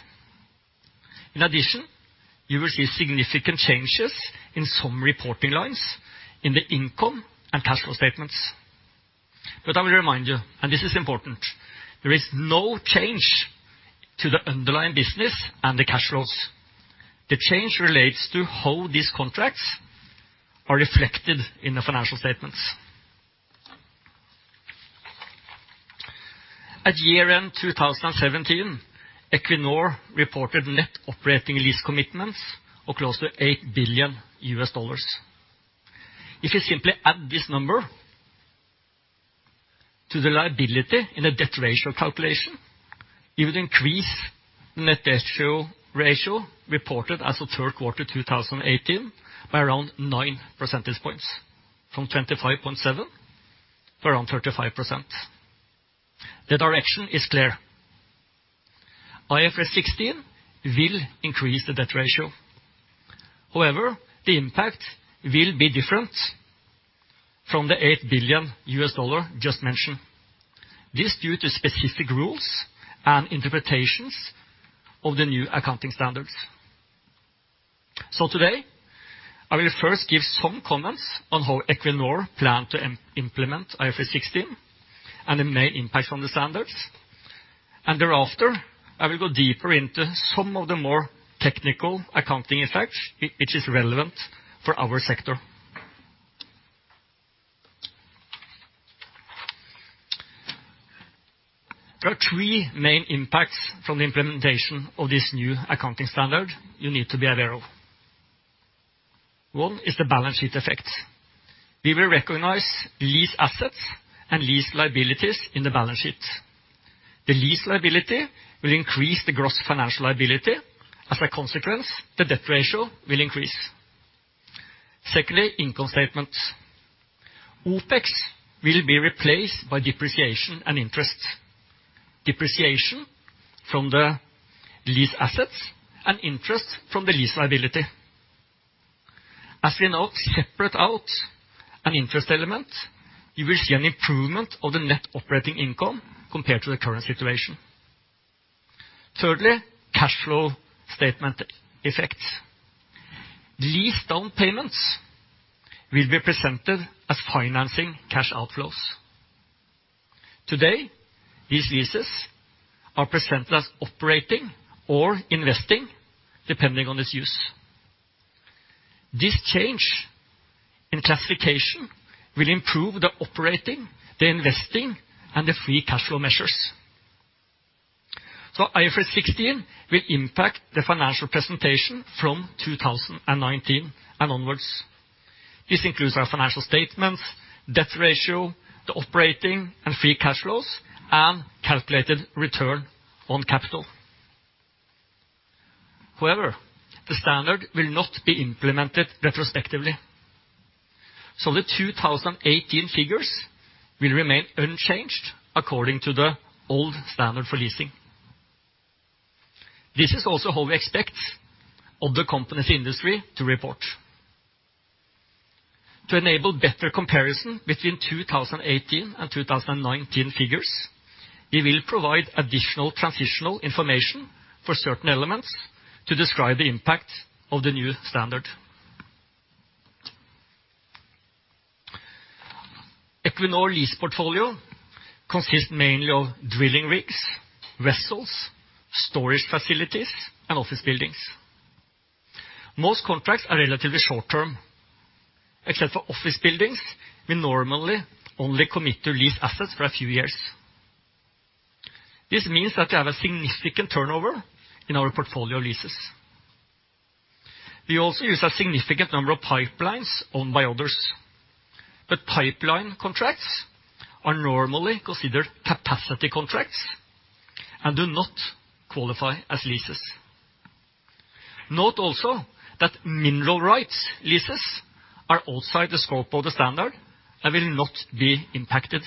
In addition, you will see significant changes in some reporting lines in the income and cash flow statements. I will remind you, and this is important, there is no change to the underlying business and the cash flows. The change relates to how these contracts are reflected in the financial statements. At year-end 2017, Equinor reported net operating lease commitments of close to $8 billion. If you simply add this number to the liability in the debt ratio calculation, it would increase net debt ratio reported as of third quarter 2018 by around 9 percentage points from 25.7 to around 35%. The direction is clear. IFRS 16 will increase the debt ratio. However, the impact will be different from the $8 billion just mentioned. This due to specific rules and interpretations of the new accounting standards. Today I will first give some comments on how Equinor plan to implement IFRS 16 and the main impacts on the standards, and thereafter, I will go deeper into some of the more technical accounting effects which is relevant for our sector. There are three main impacts from the implementation of this new accounting standard you need to be aware of. One is the balance sheet effect. We will recognize lease assets and lease liabilities in the balance sheet. The lease liability will increase the gross financial liability. As a consequence, the debt ratio will increase. Secondly, income statements. OpEx will be replaced by depreciation and interest. Depreciation from the lease assets and interest from the lease liability. As we now separate out an interest element, you will see an improvement of the net operating income compared to the current situation. Thirdly, cash flow statement effects. Lease down payments will be presented as financing cash outflows. Today, these leases are presented as operating or investing, depending on its use. This change in classification will improve the operating, the investing, and the free cash flow measures. IFRS 16 will impact the financial presentation from 2019 and onwards. This includes our financial statements, debt ratio, the operating and free cash flows, and calculated return on capital. However, the standard will not be implemented retrospectively. The 2018 figures will remain unchanged according to the old standard for leasing. This is also what we expect other companies in the industry to report. To enable better comparison between 2018 and 2019 figures, we will provide additional transitional information for certain elements to describe the impact of the new standard. Equinor lease portfolio consists mainly of drilling rigs, vessels, storage facilities, and office buildings. Most contracts are relatively short-term. Except for office buildings, we normally only commit to lease assets for a few years. This means that we have a significant turnover in our portfolio leases. We also use a significant number of pipelines owned by others, but pipeline contracts are normally considered capacity contracts and do not qualify as leases. Note also that mineral rights leases are outside the scope of the standard and will not be impacted.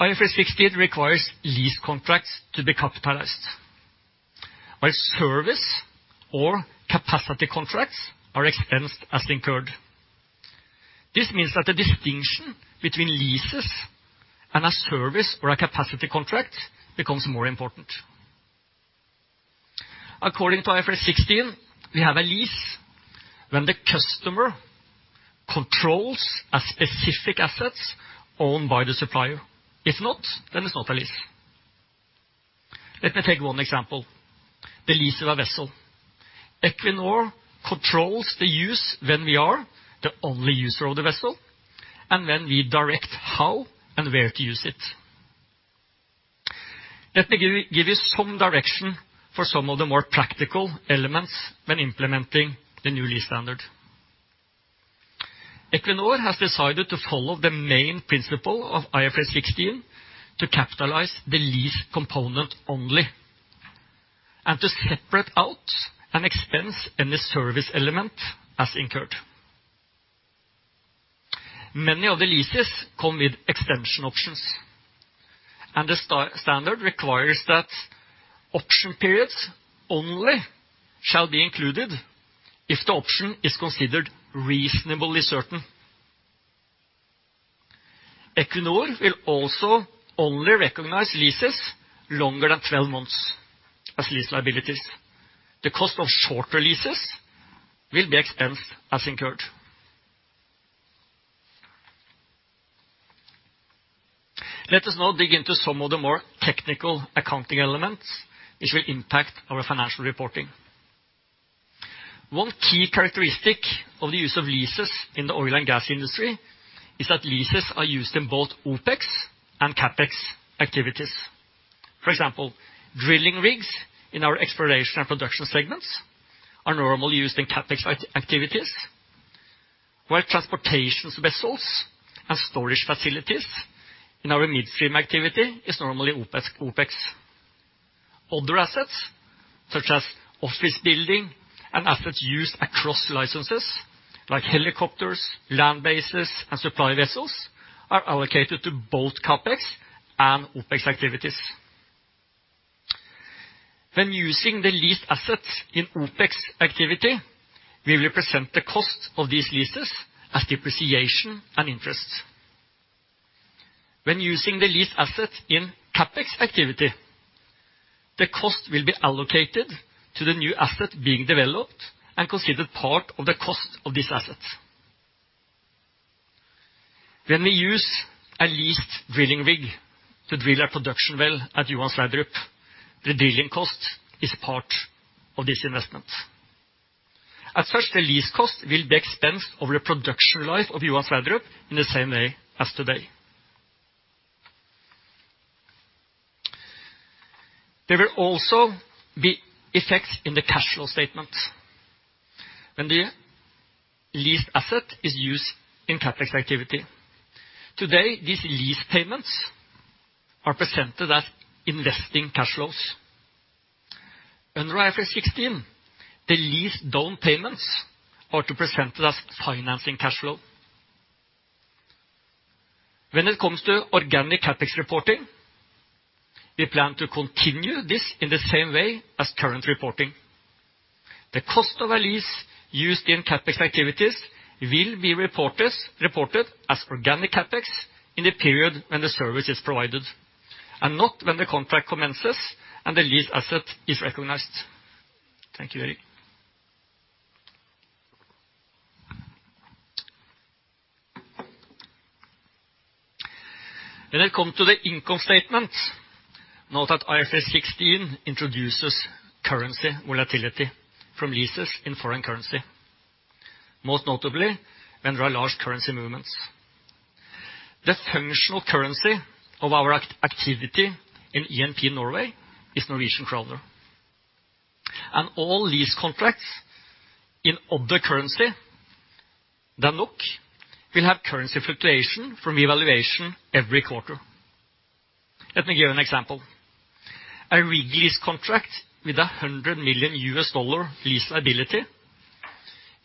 IFRS 16 requires lease contracts to be capitalized, while service or capacity contracts are expensed as incurred. This means that the distinction between leases and a service or a capacity contract becomes more important. According to IFRS 16, we have a lease when the customer controls a specific asset owned by the supplier. If not, then it's not a lease. Let me take one example, the lease of a vessel. Equinor controls the use when we are the only user of the vessel and when we direct how and where to use it. Let me give you some direction for some of the more practical elements when implementing the new lease standard. Equinor has decided to follow the main principle of IFRS 16 to capitalize the lease component only and to separate out and expense any service element as incurred. Many of the leases come with extension options. The standard requires that option periods only shall be included if the option is considered reasonably certain. Equinor will also only recognize leases longer than 12 months as lease liabilities. The cost of shorter leases will be expensed as incurred. Let us now dig into some of the more technical accounting elements which will impact our financial reporting. One key characteristic of the use of leases in the oil and gas industry is that leases are used in both OpEx and CapEx activities. For example, drilling rigs in our exploration and production segments are normally used in CapEx activities, while transportation vessels and storage facilities in our midstream activity is normally OpEx. Other assets, such as office building and assets used across licenses, like helicopters, land bases, and supply vessels, are allocated to both CapEx and OpEx activities. When using the leased assets in OpEx activity, we will present the cost of these leases as depreciation and interest. When using the leased assets in CapEx activity, the cost will be allocated to the new asset being developed and considered part of the cost of this asset. When we use a leased drilling rig to drill a production well at Johan Sverdrup, the drilling cost is part of this investment. At first, the lease cost will be expensed over the production life of Johan Sverdrup in the same way as today. There will also be effects in the cash flow statement when the leased asset is used in CapEx activity. Today, these lease payments are presented as investing cash flows. Under IFRS 16, the lease payments are presented as financing cash flow. When it comes to organic CapEx reporting, we plan to continue this in the same way as current reporting. The cost of a lease used in CapEx activities will be reported as organic CapEx in the period when the service is provided and not when the contract commences and the leased asset is recognized. Thank you, Eirik Wærness. When it comes to the income statement, note that IFRS 16 introduces currency volatility from leases in foreign currency, most notably when there are large currency movements. The functional currency of our activity in E&P Norway is Norwegian kroner. All lease contracts in other currency than NOK will have currency fluctuation from evaluation every quarter. Let me give an example. A rig lease contract with a $100 million lease liability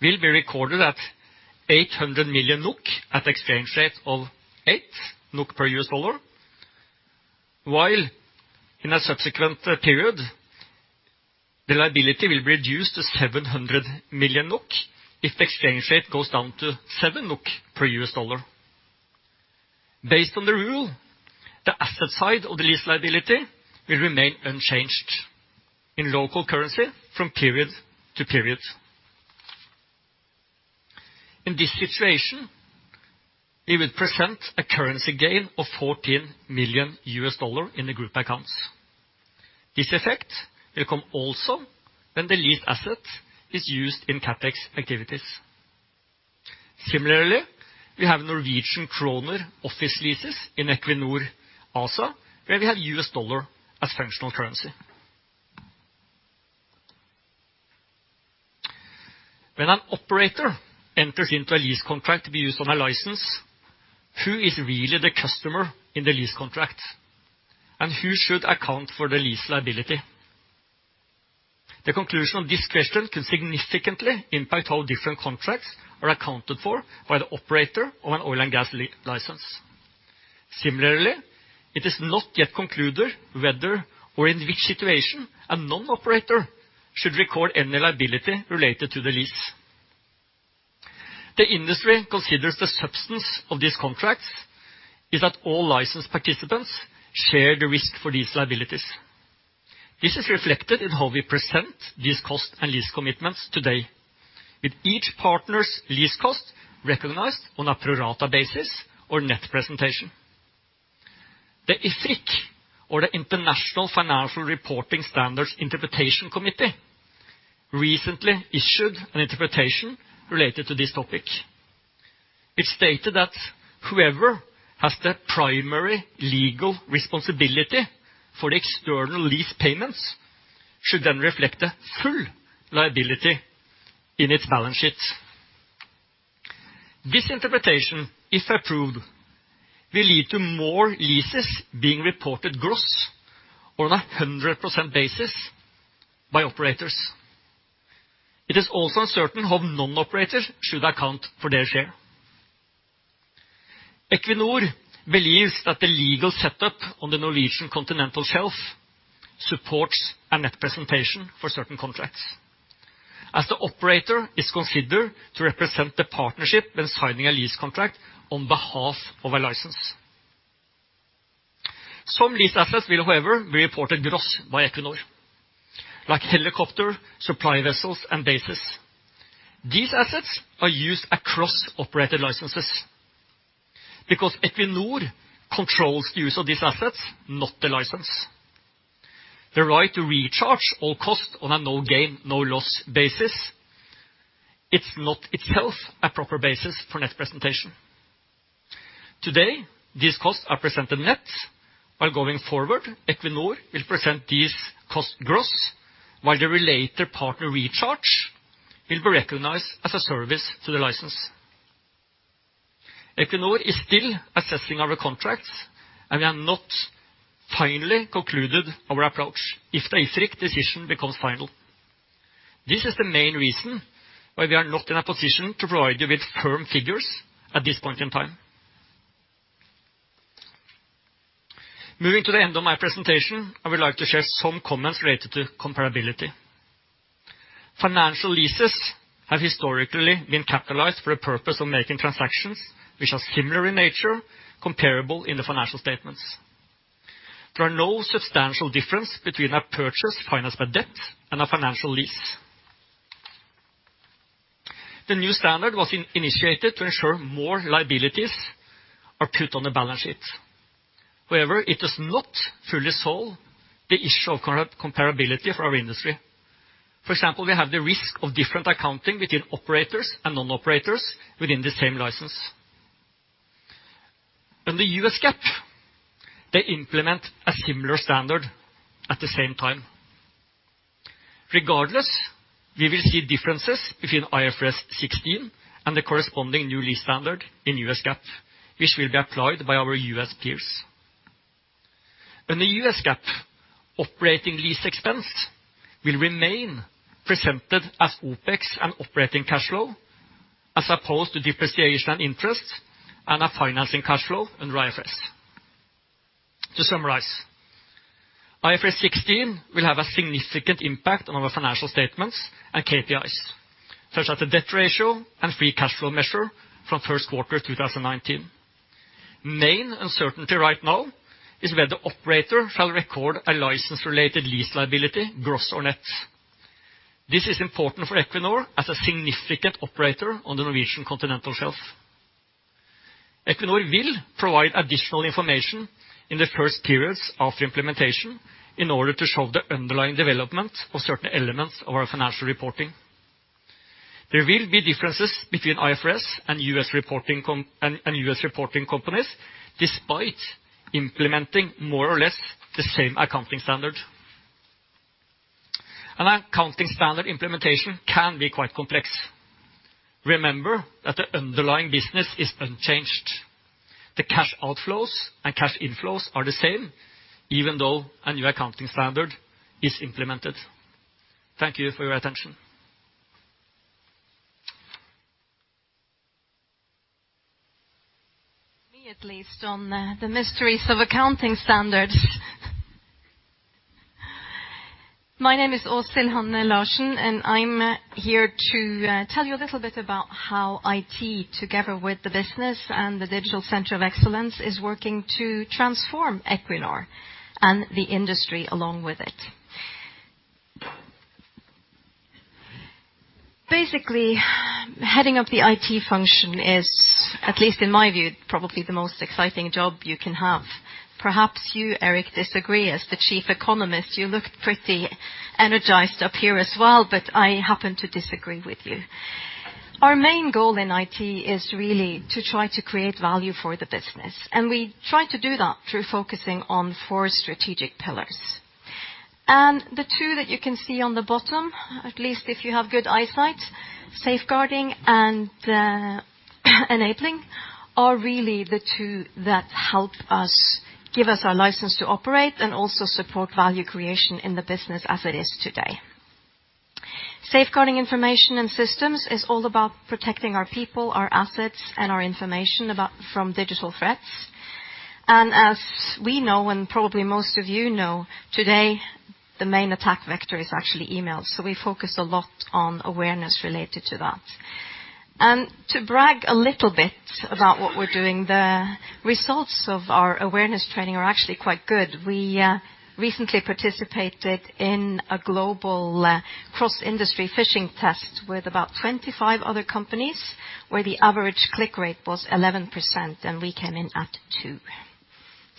will be recorded at 800 million NOK at exchange rate of 8 NOK per US dollar, while in a subsequent period, the liability will be reduced to 700 million NOK if the exchange rate goes down to 7 NOK per US dollar. Based on the rule, the asset side of the lease liability will remain unchanged in local currency from period to period. In this situation, we would present a currency gain of $14 million in the group accounts. This effect will come also when the leased asset is used in CapEx activities. Similarly, we have Norwegian kroner office leases in Equinor ASA, where we have U.S. dollar as functional currency. When an operator enters into a lease contract to be used on a license, who is really the customer in the lease contract? And who should account for the lease liability? The conclusion of this question could significantly impact how different contracts are accounted for by the operator of an oil and gas license. Similarly, it is not yet concluded whether or in which situation a non-operator should record any liability related to the lease. The industry considers the substance of these contracts is that all license participants share the risk for these liabilities. This is reflected in how we present these costs and lease commitments today, with each partner's lease cost recognized on a pro rata basis or net presentation. The IFRIC or the International Financial Reporting Interpretations Committee recently issued an interpretation related to this topic. It stated that whoever has the primary legal responsibility for the external lease payments should then reflect the full liability in its balance sheet. This interpretation, if approved, will lead to more leases being reported gross on a 100% basis by operators. It is also uncertain how non-operators should account for their share. Equinor believes that the legal setup on the Norwegian continental shelf supports a net presentation for certain contracts, as the operator is considered to represent the partnership when signing a lease contract on behalf of a license. Some leased assets will, however, be reported gross by Equinor, like helicopter, supply vessels, and bases. These assets are used across operated licenses. Because Equinor controls the use of these assets, not the license. The right to recharge all costs on a no gain, no loss basis, it's not itself a proper basis for net presentation. Today, these costs are presented net. While going forward, Equinor will present these costs gross, while the related partner recharge will be recognized as a service to the license. Equinor is still assessing our contracts, and we have not finally concluded our approach if the IFRIC decision becomes final. This is the main reason why we are not in a position to provide you with firm figures at this point in time. Moving to the end of my presentation, I would like to share some comments related to comparability. Financial leases have historically been capitalized for the purpose of making transactions which are similar in nature, comparable in the financial statements. There are no substantial differences between a purchase financed by debt and a financial lease. The new standard was initiated to ensure more liabilities are put on the balance sheet. However, it does not fully solve the issue of comparability for our industry. For example, we have the risk of different accounting between operators and non-operators within the same license. Under US GAAP, they implement a similar standard at the same time. Regardless, we will see differences between IFRS 16 and the corresponding new lease standard in US GAAP, which will be applied by our US peers. Under US GAAP, operating lease expense will remain presented as OpEx and operating cash flow, as opposed to depreciation and interest and a financing cash flow under IFRS. To summarize, IFRS 16 will have a significant impact on our financial statements and KPIs, such as the debt ratio and free cash flow measure from first quarter 2019. Main uncertainty right now is whether operator shall record a license-related lease liability, gross or net. This is important for Equinor as a significant operator on the Norwegian Continental Shelf. Equinor will provide additional information in the first periods after implementation in order to show the underlying development of certain elements of our financial reporting. There will be differences between IFRS and U.S. reporting companies, despite implementing more or less the same accounting standard. An accounting standard implementation can be quite complex. Remember that the underlying business is unchanged. The cash outflows and cash inflows are the same, even though a new accounting standard is implemented. Thank you for your attention. Me at least on the mysteries of accounting standards. My name is Åshild Hanne Larsen, and I'm here to tell you a little bit about how IT, together with the business and the Digital Center of Excellence, is working to transform Equinor and the industry along with it. Basically, heading up the IT function is, at least in my view, probably the most exciting job you can have. Perhaps you, Eirik, disagree. As the chief economist, you looked pretty energized up here as well, but I happen to disagree with you. Our main goal in IT is really to try to create value for the business, and we try to do that through focusing on four strategic pillars. The two that you can see on the bottom, at least if you have good eyesight, safeguarding and enabling, are really the two that help us, give us our license to operate and also support value creation in the business as it is today. Safeguarding information and systems is all about protecting our people, our assets, and our information from digital threats. As we know, and probably most of you know, today, the main attack vector is actually email. We focus a lot on awareness related to that. To brag a little bit about what we're doing, the results of our awareness training are actually quite good. We recently participated in a global cross-industry phishing test with about 25 other companies, where the average click rate was 11%, and we came in at 2.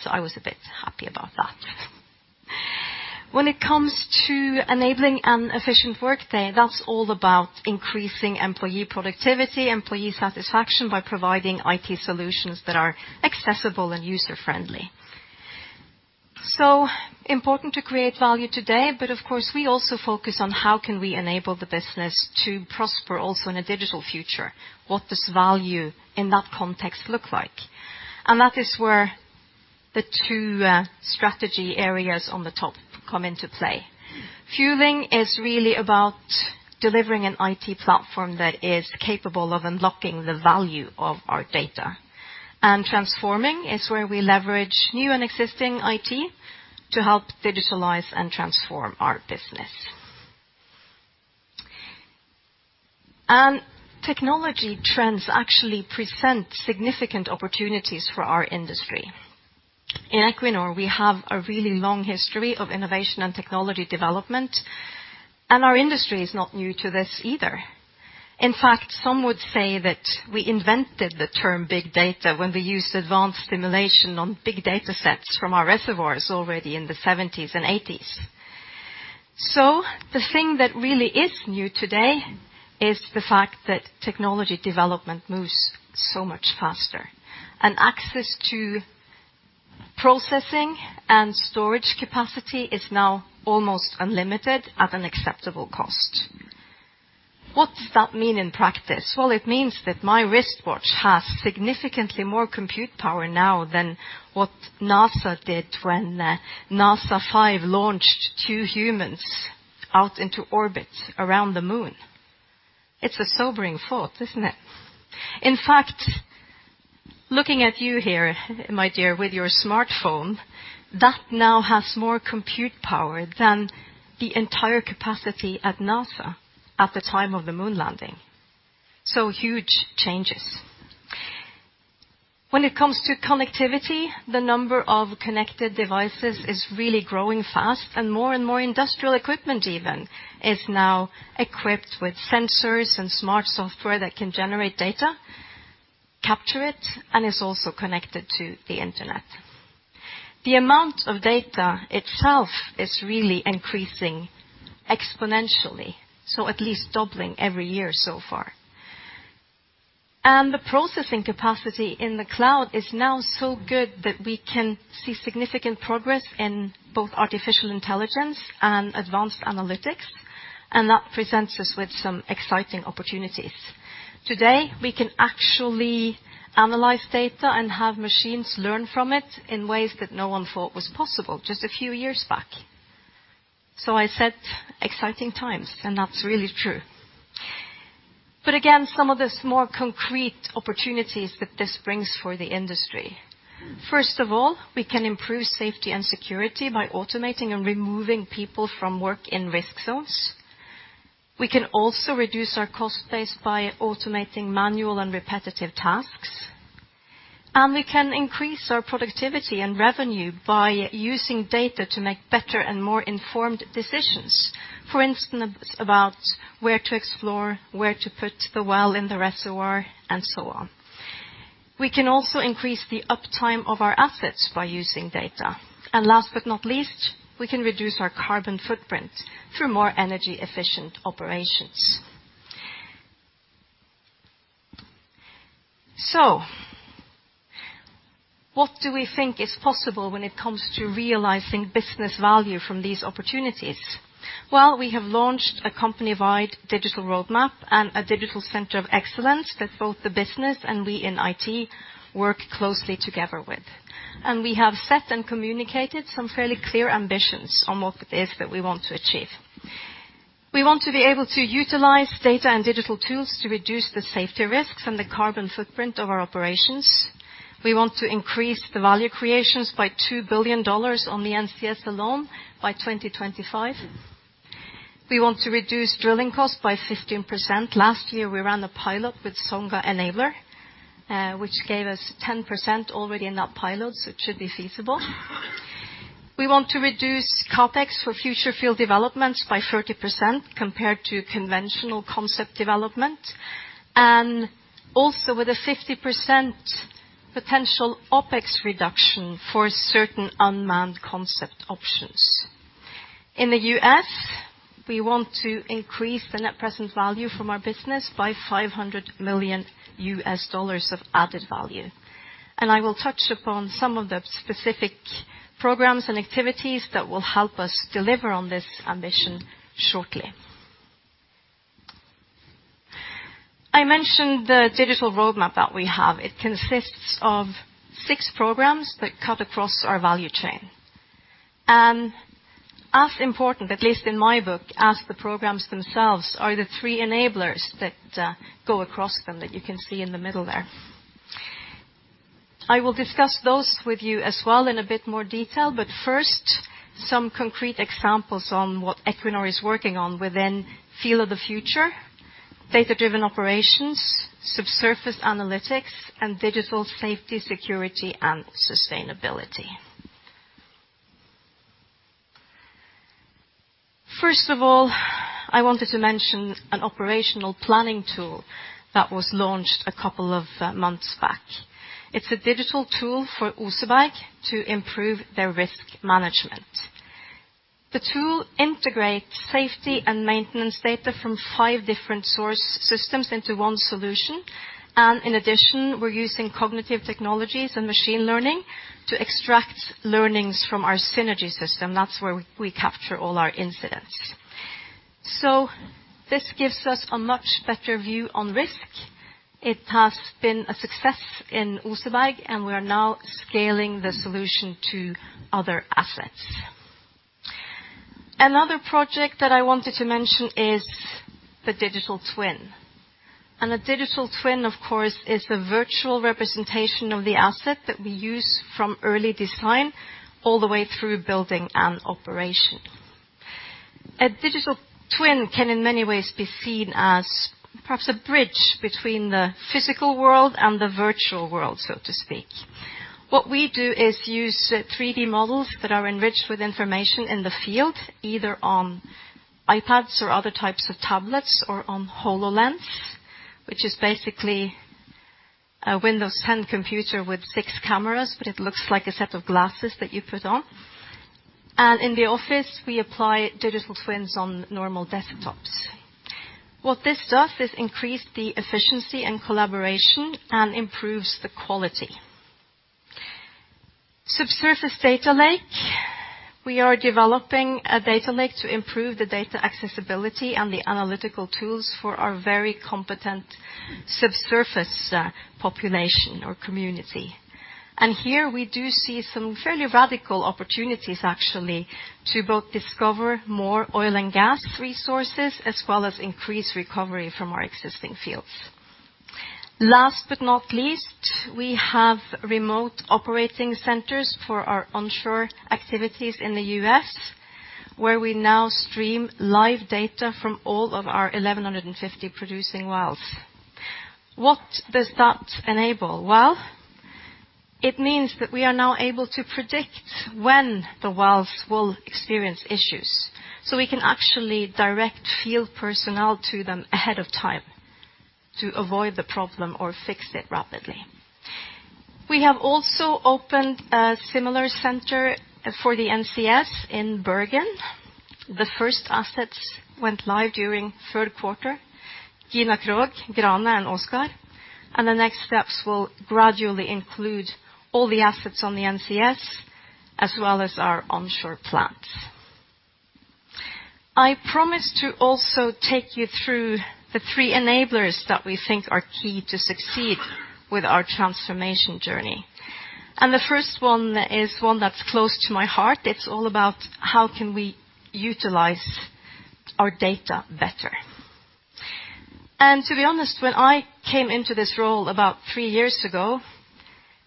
I was a bit happy about that. When it comes to enabling an efficient workday, that's all about increasing employee productivity, employee satisfaction by providing IT solutions that are accessible and user-friendly. Important to create value today, but of course, we also focus on how can we enable the business to prosper also in a digital future. What does value in that context look like? That is where the two strategy areas on the top come into play. Fueling is really about delivering an IT platform that is capable of unlocking the value of our data. Transforming is where we leverage new and existing IT to help digitalize and transform our business. Technology trends actually present significant opportunities for our industry. In Equinor, we have a really long history of innovation and technology development, and our industry is not new to this either. In fact, some would say that we invented the term big data when we used advanced simulation on big datasets from our reservoirs already in the seventies and eighties. The thing that really is new today is the fact that technology development moves so much faster. Access to processing and storage capacity is now almost unlimited at an acceptable cost. What does that mean in practice? Well, it means that my wristwatch has significantly more compute power now than what NASA did when Gemini 5 launched two humans out into orbit around the Moon. It's a sobering thought, isn't it? In fact, looking at you here, my dear, with your smartphone, that now has more compute power than the entire capacity at NASA at the time of the Moon landing. Huge changes. When it comes to connectivity, the number of connected devices is really growing fast, and more and more industrial equipment even is now equipped with sensors and smart software that can generate data, capture it, and is also connected to the Internet. The amount of data itself is really increasing exponentially, so at least doubling every year so far. The processing capacity in the cloud is now so good that we can see significant progress in both artificial intelligence and advanced analytics, and that presents us with some exciting opportunities. Today, we can actually analyze data and have machines learn from it in ways that no one thought was possible just a few years back. I said, exciting times, and that's really true. Again, some of the more concrete opportunities that this brings for the industry. First of all, we can improve safety and security by automating and removing people from work in risk zones. We can also reduce our cost base by automating manual and repetitive tasks. We can increase our productivity and revenue by using data to make better and more informed decisions. For instance, about where to explore, where to put the well in the reservoir, and so on. We can also increase the uptime of our assets by using data. Last but not least, we can reduce our carbon footprint through more energy-efficient operations. What do we think is possible when it comes to realizing business value from these opportunities? Well, we have launched a company-wide digital roadmap and a Digital Center of Excellence that both the business and we in IT work closely together with. We have set and communicated some fairly clear ambitions on what it is that we want to achieve. We want to be able to utilize data and digital tools to reduce the safety risks and the carbon footprint of our operations. We want to increase the value creations by $2 billion on the NCS alone by 2025. We want to reduce drilling costs by 15%. Last year, we ran a pilot with Songa Enabler, which gave us 10% already in that pilot, so it should be feasible. We want to reduce CapEx for future field developments by 30% compared to conventional concept development, with a 50% potential OpEx reduction for certain unmanned concept options. In the U.S., we want to increase the net present value from our business by $500 million of added value. I will touch upon some of the specific programs and activities that will help us deliver on this ambition shortly. I mentioned the digital roadmap that we have. It consists of six programs that cut across our value chain. As important, at least in my book, as the programs themselves are the three enablers that go across them that you can see in the middle there. I will discuss those with you as well in a bit more detail, but first, some concrete examples on what Equinor is working on within Field of the Future, data-driven operations, subsurface analytics, and digital safety, security, and sustainability. First of all, I wanted to mention an operational planning tool that was launched a couple of months back. It's a digital tool for Oseberg to improve their risk management. The tool integrates safety and maintenance data from five different source systems into one solution. In addition, we're using cognitive technologies and machine learning to extract learnings from our Synergi system. That's where we capture all our incidents. This gives us a much better view on risk. It has been a success in Oseberg, and we are now scaling the solution to other assets. Another project that I wanted to mention is the digital twin. The digital twin, of course, is the virtual representation of the asset that we use from early design all the way through building and operation. A digital twin can in many ways be seen as perhaps a bridge between the physical world and the virtual world, so to speak. What we do is use 3D models that are enriched with information in the field, either on iPads or other types of tablets or on HoloLens, which is basically a Windows 10 computer with six cameras, but it looks like a set of glasses that you put on. In the office, we apply digital twins on normal desktops. What this does is increase the efficiency and collaboration and improves the quality. Subsurface data lake. We are developing a data lake to improve the data accessibility and the analytical tools for our very competent subsurface population or community. Here we do see some fairly radical opportunities actually to both discover more oil and gas resources as well as increase recovery from our existing fields. Last but not least, we have remote operating centers for our onshore activities in the U.S., where we now stream live data from all of our 1,150 producing wells. What does that enable? Well, it means that we are now able to predict when the wells will experience issues. We can actually direct field personnel to them ahead of time to avoid the problem or fix it rapidly. We have also opened a similar center for the NCS in Bergen. The first assets went live during third quarter, Gina Krog, Grane, and Oseberg. The next steps will gradually include all the assets on the NCS as well as our onshore plants. I promised to also take you through the three enablers that we think are key to succeed with our transformation journey. The first one is one that's close to my heart. It's all about how can we utilize our data better. To be honest, when I came into this role about 3 years ago,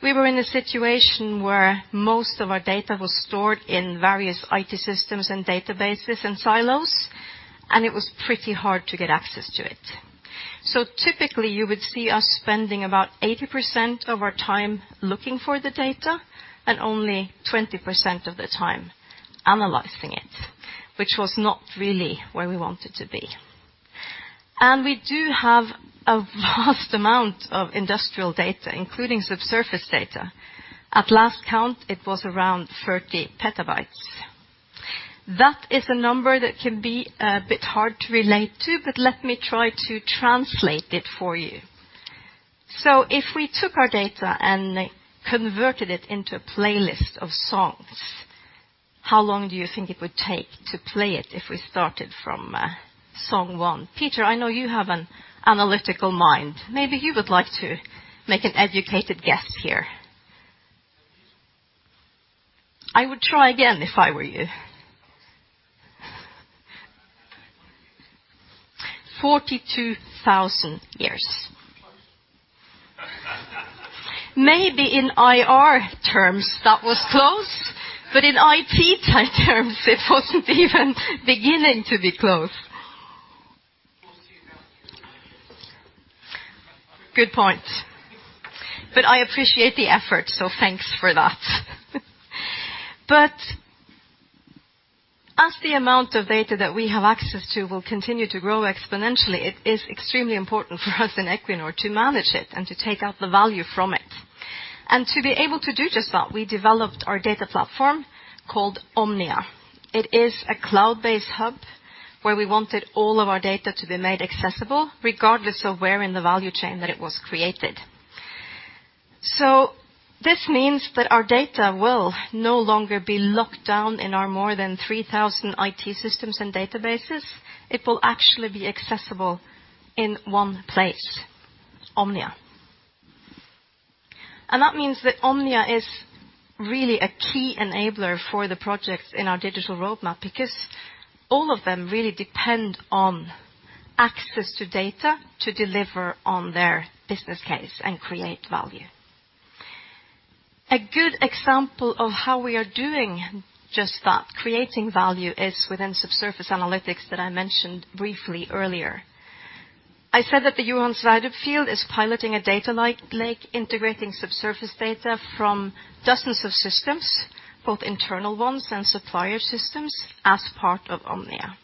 we were in a situation where most of our data was stored in various IT systems and databases and silos, and it was pretty hard to get access to it. Typically, you would see us spending about 80% of our time looking for the data and only 20% of the time analyzing it, which was not really where we wanted to be. We do have a vast amount of industrial data, including subsurface data. At last count, it was around 30 petabytes. That is a number that can be a bit hard to relate to, but let me try to translate it for you. If we took our data and converted it into a playlist of songs, how long do you think it would take to play it if we started from song one? Peter, I know you have an analytical mind. Maybe you would like to make an educated guess here. I would try again if I were you. 42,000 years. Maybe in IR terms that was close. In IT terms, it wasn't even beginning to be close. 42,000 years. Good point. I appreciate the effort, so thanks for that. As the amount of data that we have access to will continue to grow exponentially, it is extremely important for us in Equinor to manage it and to take out the value from it. To be able to do just that, we developed our data platform called Omnia. It is a cloud-based hub where we wanted all of our data to be made accessible, regardless of where in the value chain that it was created. This means that our data will no longer be locked down in our more than 3,000 IT systems and databases. It will actually be accessible in one place, Omnia. That means that Omnia is really a key enabler for the projects in our digital roadmap because all of them really depend on access to data to deliver on their business case and create value. A good example of how we are doing just that, creating value, is within subsurface analytics that I mentioned briefly earlier. I said that the Johan Sverdrup field is piloting a data lake, integrating subsurface data from dozens of systems, both internal ones and supplier systems, as part of Omnia.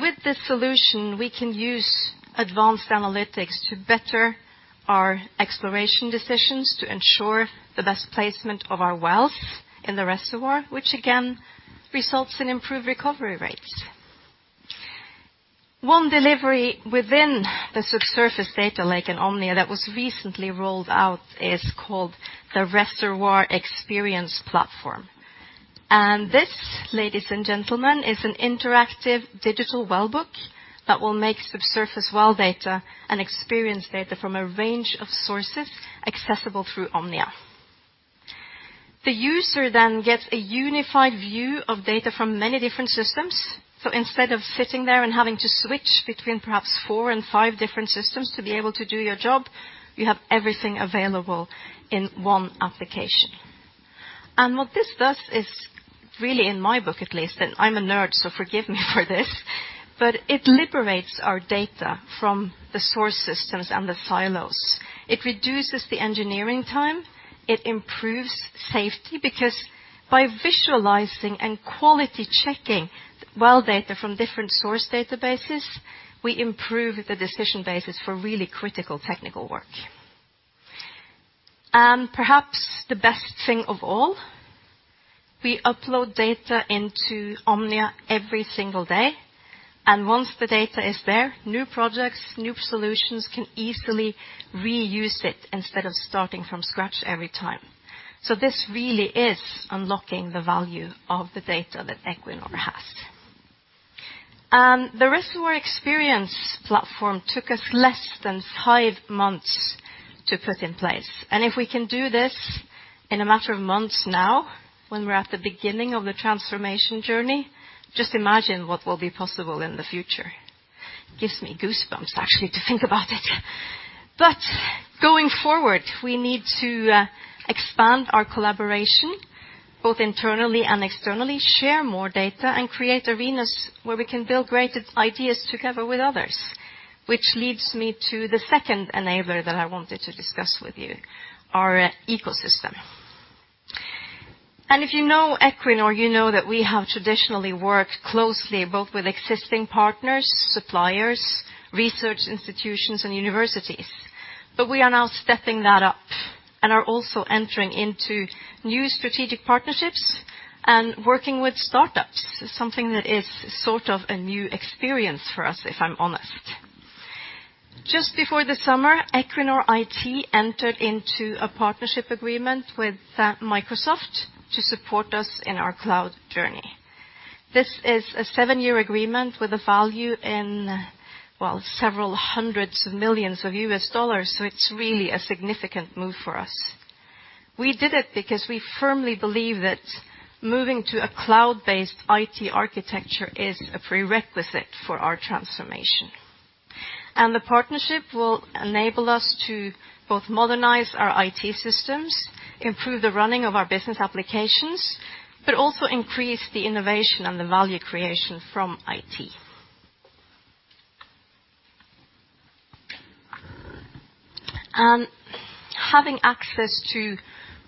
With this solution, we can use advanced analytics to better our exploration decisions to ensure the best placement of our wells in the reservoir, which again results in improved recovery rates. One delivery within the subsurface data lake in Omnia that was recently rolled out is called the Reservoir Experience Platform. This, ladies and gentlemen, is an interactive digital well book that will make subsurface well data and experience data from a range of sources accessible through Omnia. The user then gets a unified view of data from many different systems. Instead of sitting there and having to switch between perhaps 4 and 5 different systems to be able to do your job, you have everything available in one application. What this does is really, in my book at least, and I'm a nerd, so forgive me for this, but it liberates our data from the source systems and the silos. It reduces the engineering time. It improves safety, because by visualizing and quality checking well data from different source databases, we improve the decision basis for really critical technical work. Perhaps the best thing of all, we upload data into Omnia every single day, and once the data is there, new projects, new solutions can easily reuse it instead of starting from scratch every time. This really is unlocking the value of the data that Equinor has. The Reservoir Experience Platform took us less than five months to put in place. If we can do this in a matter of months now, when we're at the beginning of the transformation journey, just imagine what will be possible in the future. Gives me goosebumps actually to think about it. Going forward, we need to expand our collaboration both internally and externally, share more data, and create arenas where we can build great ideas together with others. Which leads me to the second enabler that I wanted to discuss with you, our ecosystem. If you know Equinor, you know that we have traditionally worked closely both with existing partners, suppliers, research institutions, and universities. We are now stepping that up and are also entering into new strategic partnerships and working with startups, something that is sort of a new experience for us, if I'm honest. Just before the summer, Equinor IT entered into a partnership agreement with Microsoft to support us in our cloud journey. This is a seven-year agreement with a value in, well, $ several hundred million, so it's really a significant move for us. We did it because we firmly believe that moving to a cloud-based IT architecture is a prerequisite for our transformation. The partnership will enable us to both modernize our IT systems, improve the running of our business applications, but also increase the innovation and the value creation from IT. Having access to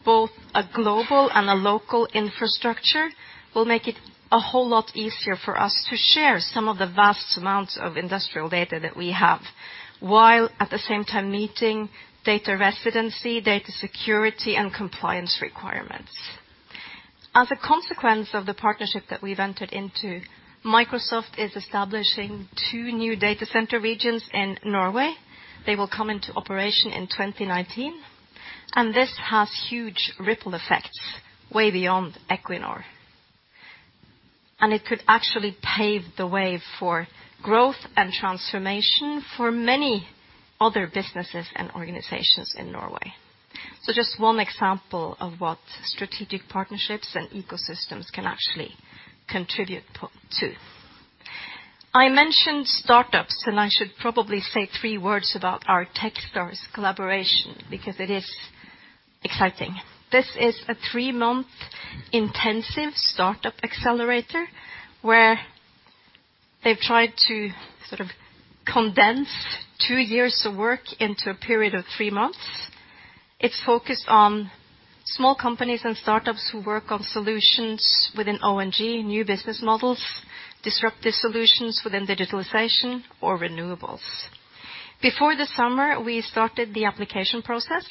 both a global and a local infrastructure will make it a whole lot easier for us to share some of the vast amounts of industrial data that we have, while at the same time meeting data residency, data security, and compliance requirements. As a consequence of the partnership that we've entered into, Microsoft is establishing two new data center regions in Norway. They will come into operation in 2019, and this has huge ripple effects way beyond Equinor. It could actually pave the way for growth and transformation for many other businesses and organizations in Norway. Just one example of what strategic partnerships and ecosystems can actually contribute to. I mentioned startups, and I should probably say three words about our Techstars collaboration because it is exciting. This is a three-month intensive startup accelerator, where they've tried to sort of condense two years of work into a period of three months. It's focused on small companies and startups who work on solutions within O&G, new business models, disruptive solutions within digitalization or renewables. Before the summer, we started the application process.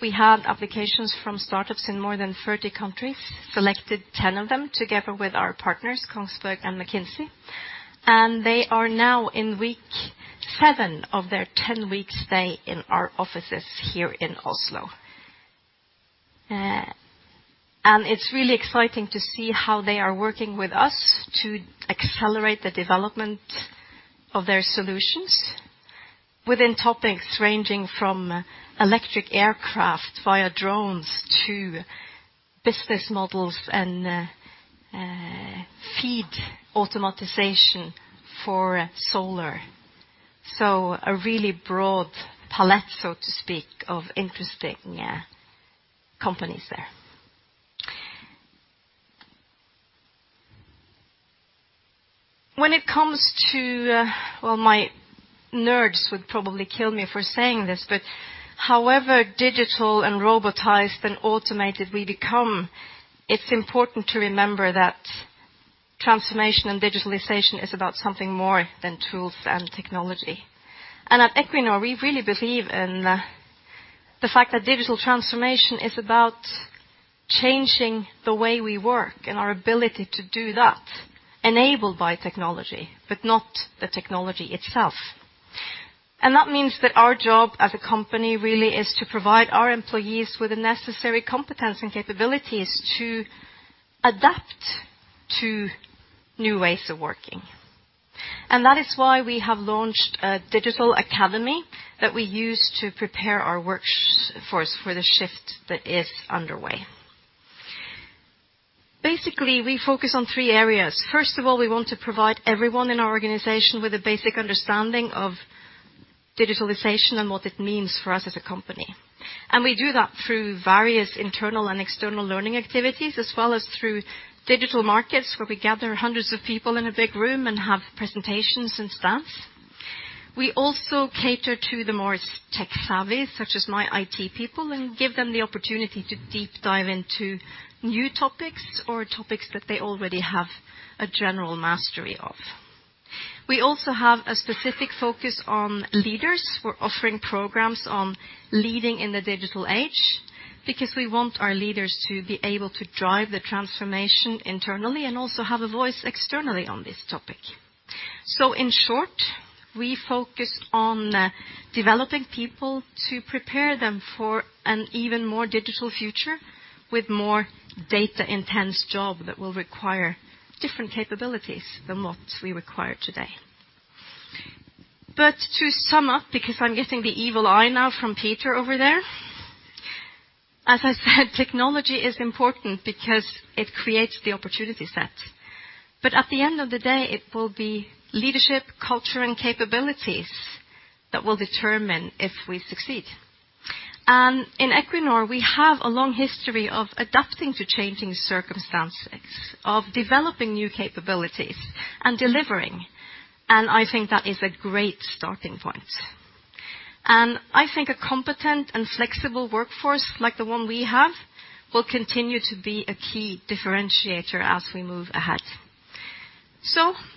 We had applications from startups in more than 30 countries, selected 10 of them together with our partners, Kongsberg and McKinsey. They are now in week 7 of their 10-week stay in our offices here in Oslo. It's really exciting to see how they are working with us to accelerate the development of their solutions within topics ranging from electric aircraft via drones to business models and, fish-feed automation for solar. A really broad palette, so to speak, of interesting companies there. When it comes to... Well, my nerds would probably kill me for saying this, but however digital and robotized and automated we become, it's important to remember that transformation and digitalization is about something more than tools and technology. At Equinor, we really believe in the fact that digital transformation is about changing the way we work and our ability to do that enabled by technology, but not the technology itself. That means that our job as a company really is to provide our employees with the necessary competence and capabilities to adapt to new ways of working. That is why we have launched a Digital Academy that we use to prepare our workforce for the shift that is underway. Basically, we focus on three areas. First of all, we want to provide everyone in our organization with a basic understanding of digitalization and what it means for us as a company. We do that through various internal and external learning activities, as well as through digital markets, where we gather hundreds of people in a big room and have presentations and stuff. We also cater to the more tech-savvy, such as my IT people, and give them the opportunity to deep dive into new topics or topics that they already have a general mastery of. We also have a specific focus on leaders. We're offering programs on leading in the digital age because we want our leaders to be able to drive the transformation internally and also have a voice externally on this topic. In short, we focus on developing people to prepare them for an even more digital future with more data-intense job that will require different capabilities than what we require today. To sum up, because I'm getting the evil eye now from Peter over there. As I said, technology is important because it creates the opportunity set. At the end of the day, it will be leadership, culture, and capabilities that will determine if we succeed. In Equinor, we have a long history of adapting to changing circumstances, of developing new capabilities and delivering. I think that is a great starting point. I think a competent and flexible workforce like the one we have will continue to be a key differentiator as we move ahead.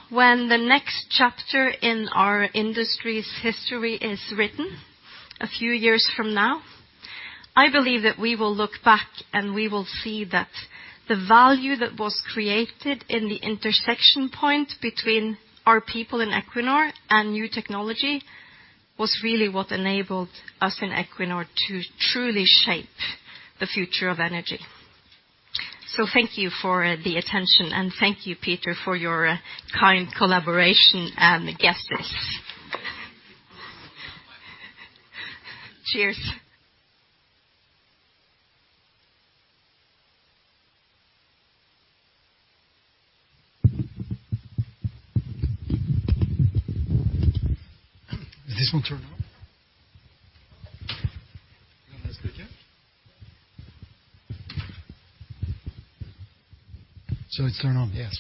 When the next chapter in our industry's history is written a few years from now, I believe that we will look back and we will see that the value that was created in the intersection point between our people in Equinor and new technology was really what enabled us in Equinor to truly shape the future of energy. Thank you for the attention, and thank you, Peter, for your kind collaboration and the guesses. Cheers. Is this one turned on? It's turned on, yes.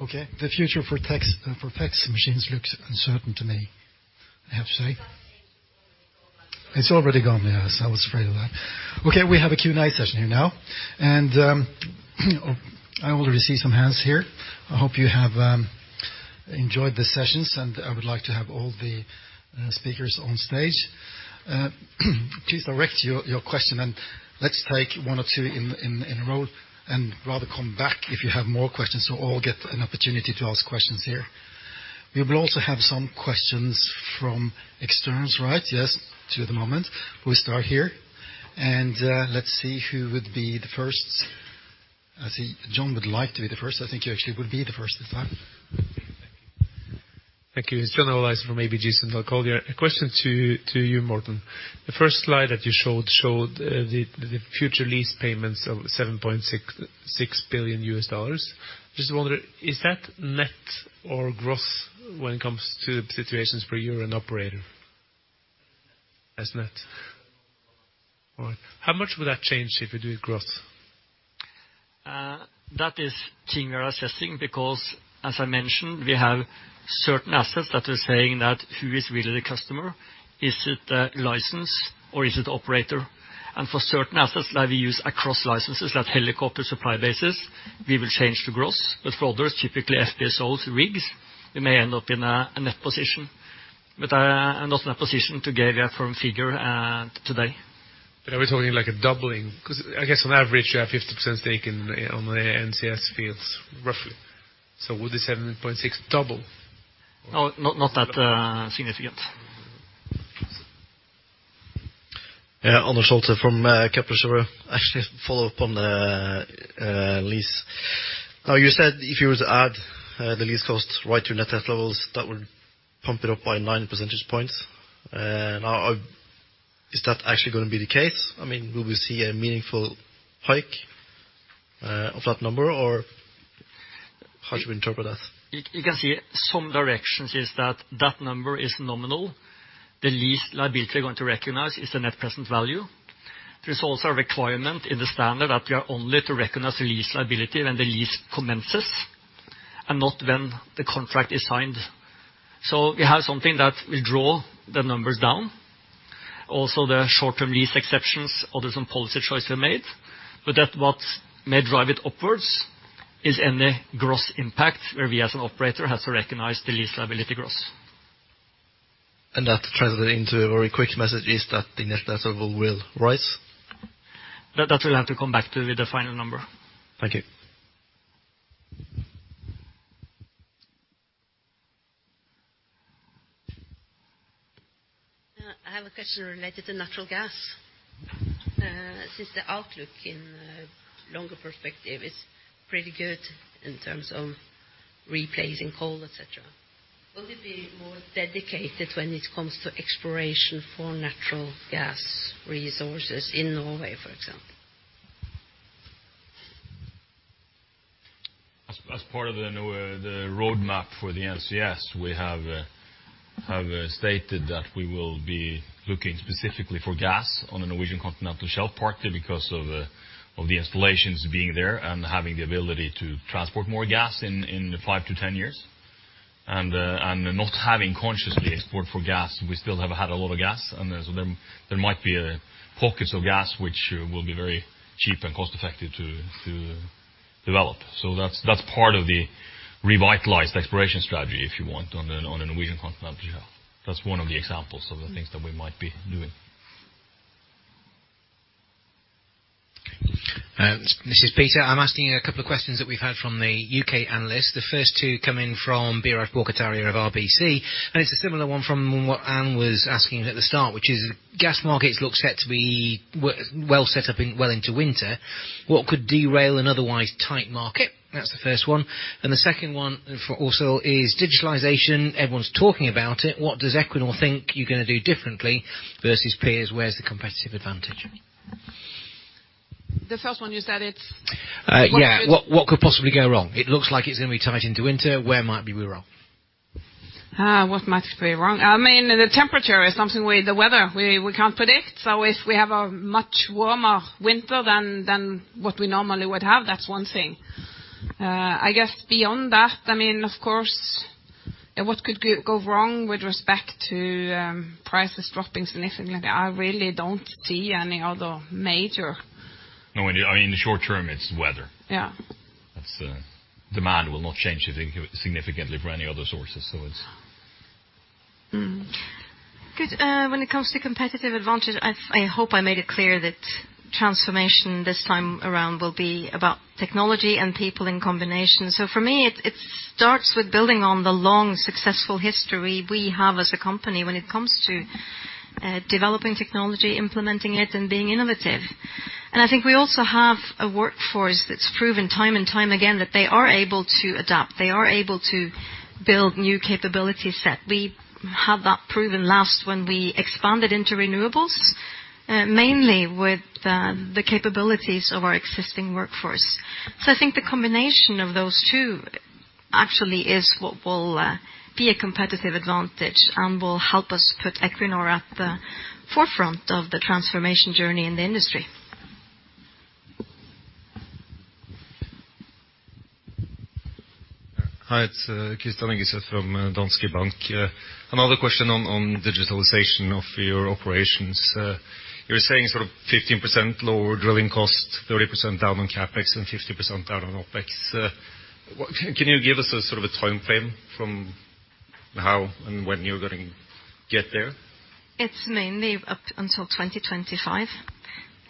Okay. The future for fax machines looks uncertain to me, I have to say. It's already gone. It's already gone, yes. I was afraid of that. Okay, we have a Q&A session here now. I already see some hands here. I hope you have enjoyed the sessions, and I would like to have all the speakers on stage. Please direct your question, and let's take one or two in a row, and rather come back if you have more questions, so we all get an opportunity to ask questions here. We will also have some questions from externs, right? Yes. At the moment. We start here. Let's see who would be the first. I see John would like to be the first. I think you actually will be the first this time. Thank you. It's John Olaisen from ABG Sundal Collier. A question to you, Morten Haukaas. The first slide that you showed the future lease payments of $7.66 billion. Just wondering, is that net or gross when it comes to subsequent years as an operator? It's net. All right. How much would that change if you do it gross? That is a thing we are assessing because as I mentioned, we have certain assets that are saying that who is really the customer? Is it a license or is it the operator? For certain assets that we use across licenses, like helicopter supply bases, we will change to gross. For others, typically FPSOs, rigs, we may end up in a net position. I am not in a position to give you a firm figure today. Are we talking like a doubling? 'Cause I guess on average, you have 50% stake in the NCS fields, roughly. Would the 7.6 double? No, not that significant. Yeah. Anders Holte from Kepler Cheuvreux. Actually, follow up on the lease. Now, you said if you were to add the lease costs right to net debt levels, that would pump it up by 9 percentage points. Now, is that actually gonna be the case? I mean, will we see a meaningful hike of that number, or how should we interpret that? You can see some discretion is that the number is nominal. The lease liability we're going to recognize is the net present value. There's also a requirement in the standard that we are only to recognize the lease liability when the lease commences and not when the contract is signed. We have something that will drive the numbers down. Also, the short-term lease exceptions, although some policy choices are made. That's what may drive it upwards. Is any gross impact where we as an operator has to recognize the lease liability gross? that translated into a very quick message is that the net debt level will rise? That we'll have to come back to with the final number. Thank you. I have a question related to natural gas. Since the outlook in a longer perspective is pretty good in terms of replacing coal, et cetera. Will you be more dedicated when it comes to exploration for natural gas resources in Norway, for example? Part of the new roadmap for the NCS, we have stated that we will be looking specifically for gas on the Norwegian Continental Shelf, partly because of the installations being there and having the ability to transport more gas in the 5 to 10 years. Not having consciously explored for gas, we still have had a lot of gas. There might be pockets of gas which will be very cheap and cost-effective to develop. That's part of the revitalized exploration strategy, if you want, on the Norwegian Continental Shelf. That's one of the examples of the things that we might be doing. This is Peter. I'm asking you a couple of questions that we've had from the UK analysts. The first two come in from Biraj Borkhataria of RBC. It's a similar one from what Anne was asking at the start, which is gas markets look set to be well set up well into winter. What could derail an otherwise tight market? That's the first one. The second one, also, is digitalization. Everyone's talking about it. What does Equinor think you're gonna do differently versus peers? Where's the competitive advantage? The first one you said it's. Yeah. What could possibly go wrong? It looks like it's gonna be tight into winter. Where might we be wrong? What might be wrong? The temperature is something we. The weather, we can't predict. If we have a much warmer winter than what we normally would have, that's one thing. I guess beyond that, I mean, of course, what could go wrong with respect to prices dropping significantly? I really don't see any other major. No, I mean, in the short term, it's weather. Yeah. That's demand will not change significantly for any other sources, so it's. Good. When it comes to competitive advantage, I hope I made it clear that transformation this time around will be about technology and people in combination. For me, it starts with building on the long, successful history we have as a company when it comes to developing technology, implementing it, and being innovative. I think we also have a workforce that's proven time and time again that they are able to adapt, they are able to build new capability set. We had that proven last when we expanded into renewables, mainly with the capabilities of our existing workforce. I think the combination of those two actually is what will be a competitive advantage and will help us put Equinor at the forefront of the transformation journey in the industry. Hi, it's Kirsten Engeset from Danske Bank. Another question on digitalization of your operations. You're saying sort of 15% lower drilling cost, 30% down on CapEx, and 50% down on OpEx. What can you give us a sort of a timeframe from how and when you're gonna get there? It's mainly up until 2025.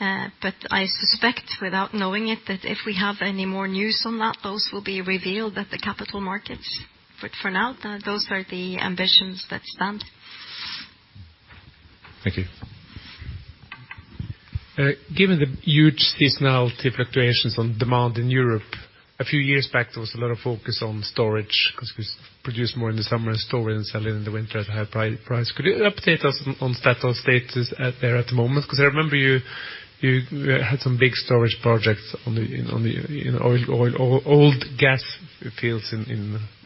I suspect, without knowing it, that if we have any more news on that, those will be revealed at the capital markets. For now, those are the ambitions that stand. Thank you. Given the huge seasonality fluctuations on demand in Europe, a few years back, there was a lot of focus on storage because we produce more in the summer and store it and sell it in the winter at a higher price. Could you update us on Statoil's status there at the moment? 'Cause I remember you had some big storage projects in old gas fields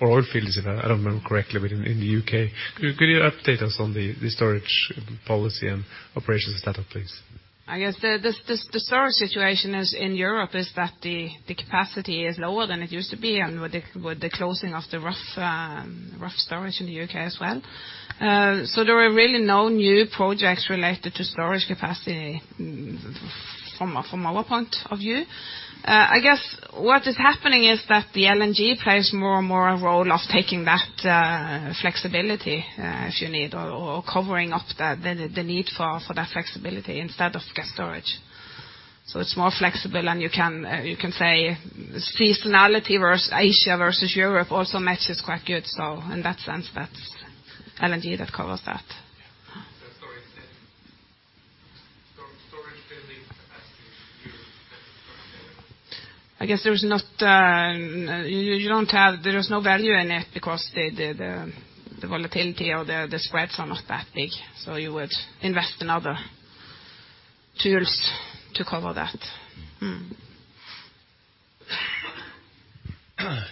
or oil fields, if I remember correctly, but in the UK. Could you update us on the storage policy and operations at Statoil, please? I guess the storage situation in Europe is that the capacity is lower than it used to be and with the closing of the Rough storage in the UK as well. There are really no new projects related to storage capacity from our point of view. I guess what is happening is that the LNG plays more and more a role of taking that flexibility if you need or covering up the need for that flexibility instead of gas storage. It's more flexible, and you can say seasonality versus Asia versus Europe also matches quite good. In that sense, that's LNG that covers that. The storage facility capacity use then is not there. There is no value in it because the volatility or the spreads are not that big. You would invest in other tools to cover that. Mm-hmm.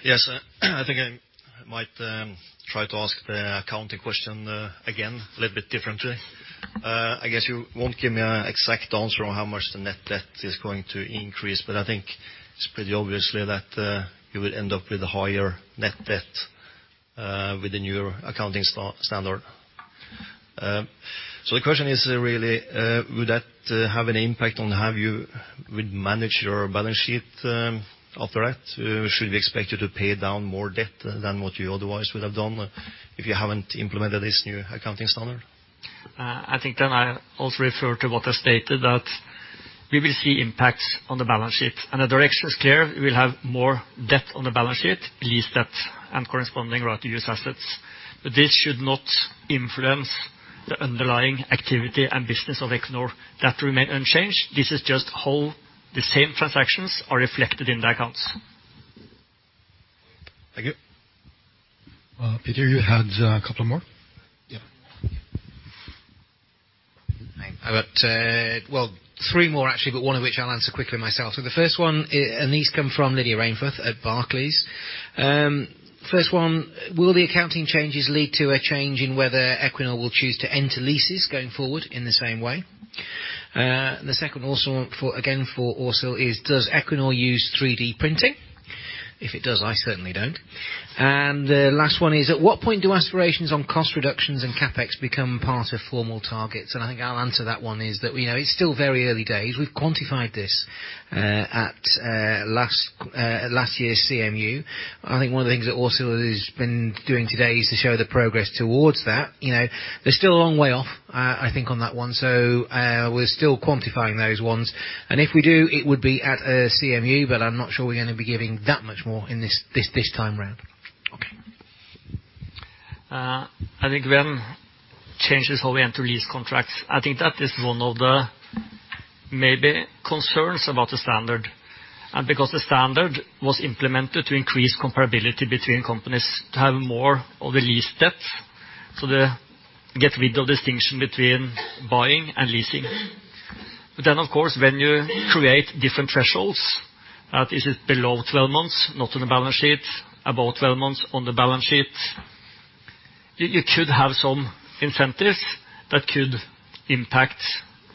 Yes. I think I might try to ask the accounting question again a little bit differently. I guess you won't give me an exact answer on how much the net debt is going to increase, but I think it's pretty obvious that you will end up with a higher net debt with the newer accounting standard. The question is really, would that have any impact on how you would manage your balance sheet, after that? Should we expect you to pay down more debt than what you otherwise would have done if you haven't implemented this new accounting standard? I think I also refer to what I stated that we will see impacts on the balance sheet and the direction is clear. We will have more debt on the balance sheet, lease debt and corresponding right to use assets. This should not influence the underlying activity and business of Equinor. That remain unchanged. This is just how the same transactions are reflected in the accounts. Thank you. Peter, you had a couple more? Yeah. I got, well, three more actually, but one of which I'll answer quickly myself. The first one, and these come from Lydia Rainforth at Barclays. First one, will the accounting changes lead to a change in whether Equinor will choose to enter leases going forward in the same way? The second for Åshild is does Equinor use 3D printing? If it does, I certainly don't. The last one is at what point do aspirations on cost reductions and CapEx become part of formal targets? I think I'll answer that one, is that we know it's still very early days. We've quantified this at last year's CMU. I think one of the things that Åshild has been doing today is to show the progress towards that. You know, there's still a long way off, I think, on that one. We're still quantifying those ones, and if we do, it would be at a CMU. I'm not sure we're gonna be giving that much more in this time round. Okay. I think it changes how we enter lease contracts. I think that is one of the main concerns about the standard. Because the standard was implemented to increase comparability between companies to have more of a lease debt, so they get rid of distinction between buying and leasing. Of course, when you create different thresholds, that is, if below 12 months, not on the balance sheet. Above 12 months on the balance sheet, you could have some incentives that could impact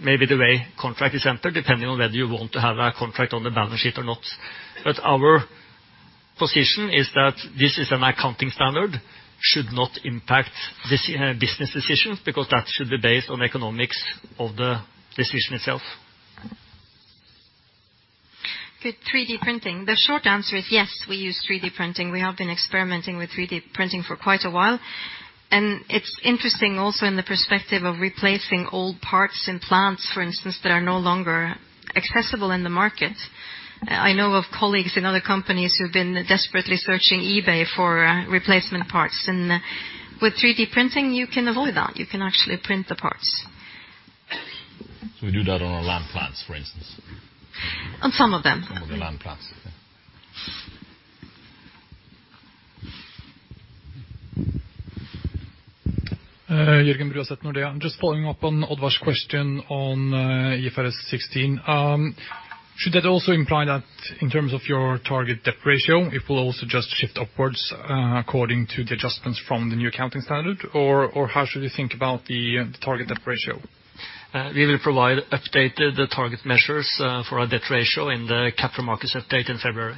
maybe the way contract is entered, depending on whether you want to have a contract on the balance sheet or not. Our position is that this is an accounting standard should not impact business decisions because that should be based on economics of the decision itself. Good. 3D printing. The short answer is yes, we use 3D printing. We have been experimenting with 3D printing for quite a while, and it's interesting also in the perspective of replacing old parts in plants, for instance, that are no longer accessible in the market. I know of colleagues in other companies who've been desperately searching eBay for replacement parts, and with 3D printing you can avoid that. You can actually print the parts. We do that on our land plants, for instance. On some of them. Some of the land plants, yeah. Jørgen Bruaset, of Nordea. I'm just following up on Anders Holte's question on IFRS 16. Should that also imply that in terms of your target debt ratio, it will also just shift upwards according to the adjustments from the new accounting standard? Or how should we think about the target debt ratio? We will provide updated target measures for our debt ratio in the Capital Markets Update in February.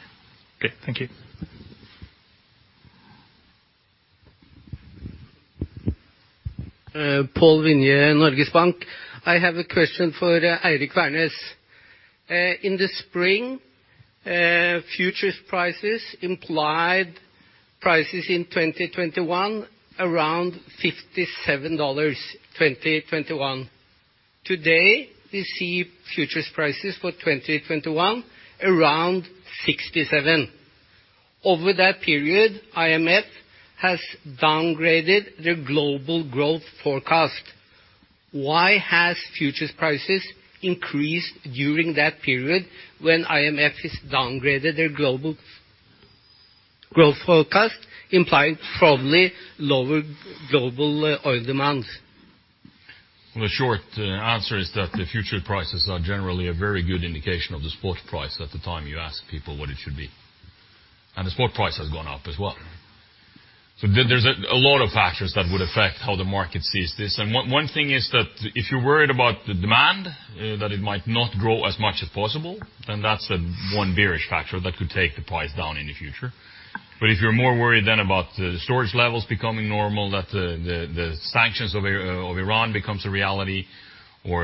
Okay, thank you. Pål Winje, Norges Bank. I have a question for Eirik Wærness. In the spring, futures prices implied prices in 2021 around $57, 2021. Today we see futures prices for 2021 around $67. Over that period, IMF has downgraded their global growth forecast. Why has futures prices increased during that period when IMF has downgraded their global growth forecast, implying probably lower global oil demand? Well, the short answer is that the future prices are generally a very good indication of the spot price at the time you ask people what it should be, and the spot price has gone up as well. There, there's a lot of factors that would affect how the market sees this. One thing is that if you're worried about the demand, that it might not grow as much as possible, then that's the one bearish factor that could take the price down in the future. If you're more worried then about the storage levels becoming normal, that the sanctions of Iran becomes a reality. You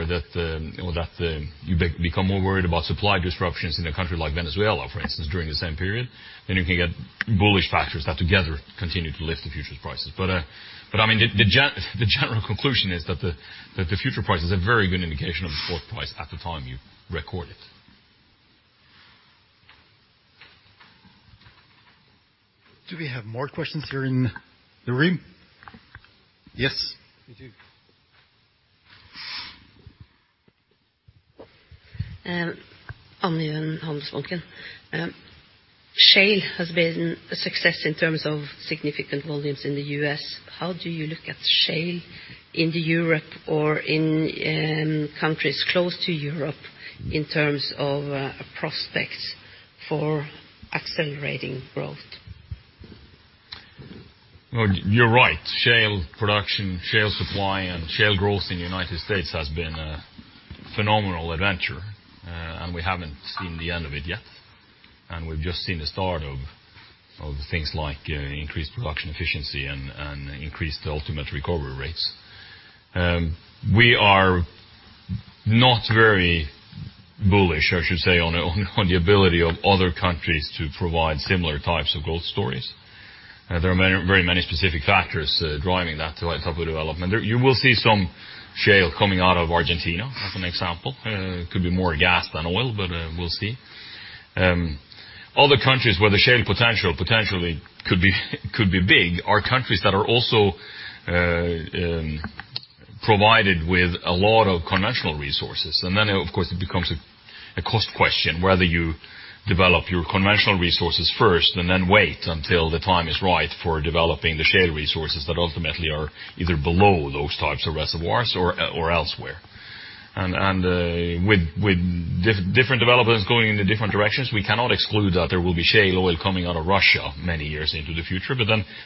become more worried about supply disruptions in a country like Venezuela, for instance, during the same period, then you can get bullish factors that together continue to lift the futures prices. I mean, the general conclusion is that the future price is a very good indication of the spot price at the time you record it. Do we have more questions here in the room? Yes, we do. Anja Alstadsæter from Handelsbanken. Shale has been a success in terms of significant volumes in the U.S. How do you look at shale into Europe or in countries close to Europe in terms of prospects for accelerating growth? Well, you're right. Shale production, shale supply and shale growth in the United States has been a phenomenal adventure. We haven't seen the end of it yet. We've just seen the start of things like increased production efficiency and increased ultimate recovery rates. We are not very bullish, I should say, on the ability of other countries to provide similar types of growth stories. There are very many specific factors driving that type of development. There you will see some shale coming out of Argentina as an example. It could be more gas than oil, but we'll see. Other countries where the shale potential could be big are countries that are also provided with a lot of conventional resources. Of course, it becomes a cost question whether you develop your conventional resources first, and then wait until the time is right for developing the shale resources that ultimately are either below those types of reservoirs or elsewhere. With different developments going into different directions, we cannot exclude that there will be shale oil coming out of Russia many years into the future.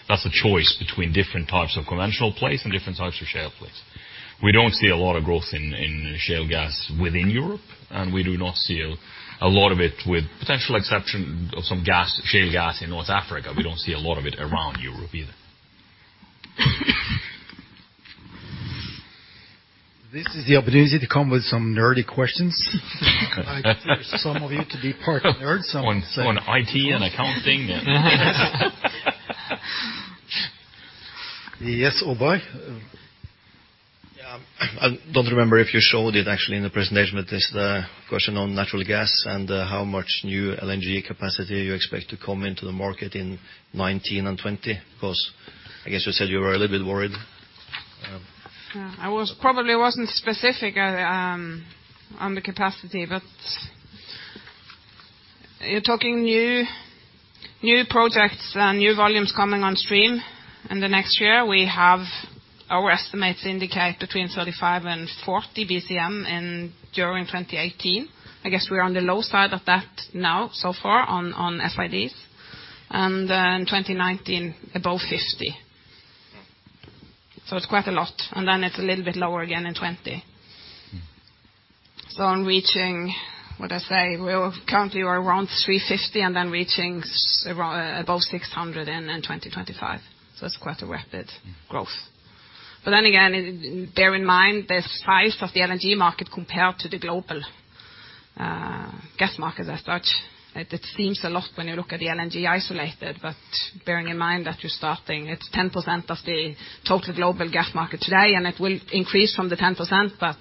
That's a choice between different types of conventional plays and different types of shale plays. We don't see a lot of growth in shale gas within Europe, and we do not see a lot of it, with potential exception of some gas shale gas in North Africa. We don't see a lot of it around Europe either. This is the opportunity to come with some nerdy questions. I consider some of you to be part nerd. On, on IT and accounting and- Yes, Øyvind. Yeah. I don't remember if you showed it actually in the presentation, but this is the question on natural gas and how much new LNG capacity you expect to come into the market in 2019 and 2020. 'Cause I guess you said you were a little bit worried. Yeah. I probably wasn't specific on the capacity, but you're talking new projects and new volumes coming on stream. In the next year, we have our estimates indicate between 30 and 40 BCM during 2018. I guess we're on the low side of that now so far on FIDs. 2019 above 50. It's quite a lot, and then it's a little bit lower again in 2020. Mm-hmm. On reaching, what'd I say? We currently are around 350 and then reaching around above 600 in 2025. It's quite a rapid growth. Then again, bear in mind the size of the LNG market compared to the global gas market as such. It seems a lot when you look at the LNG isolated, but bearing in mind that you're starting, it's 10% of the total global gas market today, and it will increase from the 10%, but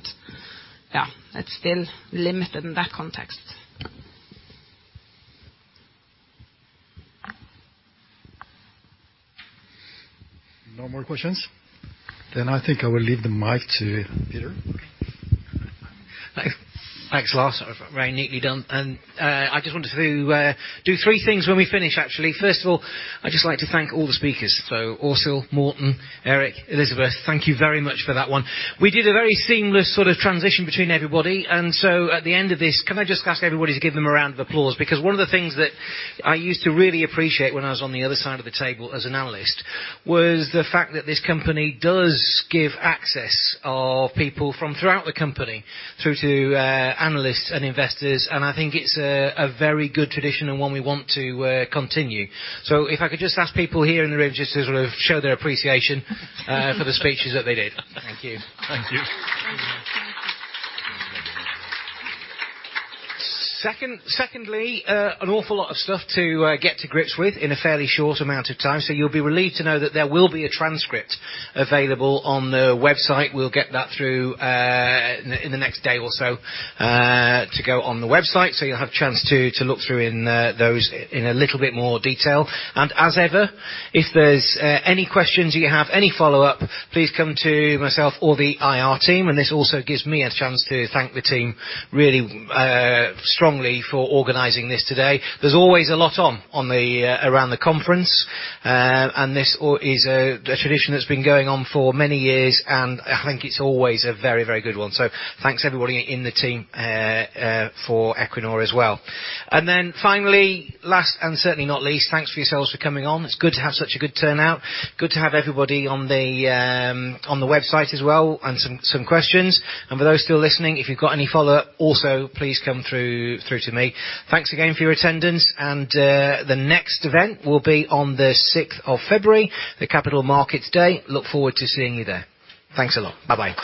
yeah, it's still limited in that context. No more questions? I think I will leave the mic to Peter. Thanks, Lars. Very neatly done. I just wanted to do three things when we finish actually. First of all, I'd just like to thank all the speakers. Åshild Hanne Larsen, Morten Haukaas, Eirik Wærness, Elisabet Ørstad, thank you very much for that one. We did a very seamless sort of transition between everybody. At the end of this, can I just ask everybody to give them a round of applause? Because one of the things that I used to really appreciate when I was on the other side of the table as an analyst was the fact that this company does give access of people from throughout the company through to analysts and investors. I think it's a very good tradition and one we want to continue. If I could just ask people here in the room just to sort of show their appreciation for the speeches that they did. Thank you. Thank you. Thank you. Secondly, an awful lot of stuff to get to grips with in a fairly short amount of time. You'll be relieved to know that there will be a transcript available on the website. We'll get that through in the next day or so to go on the website. You'll have a chance to look through those in a little bit more detail. As ever, if there's any questions you have, any follow-up, please come to myself or the IR team. This also gives me a chance to thank the team really strongly for organizing this today. There's always a lot on around the conference. This also is a tradition that's been going on for many years, and I think it's always a very, very good one. Thanks everybody in the team for Equinor as well. Finally, last and certainly not least, thanks for yourselves for coming on. It's good to have such a good turnout. Good to have everybody on the website as well and some questions. For those still listening, if you've got any follow-up, also, please come through to me. Thanks again for your attendance. The next event will be on the sixth of February, the Capital Markets Day. Look forward to seeing you there. Thanks a lot. Bye-bye.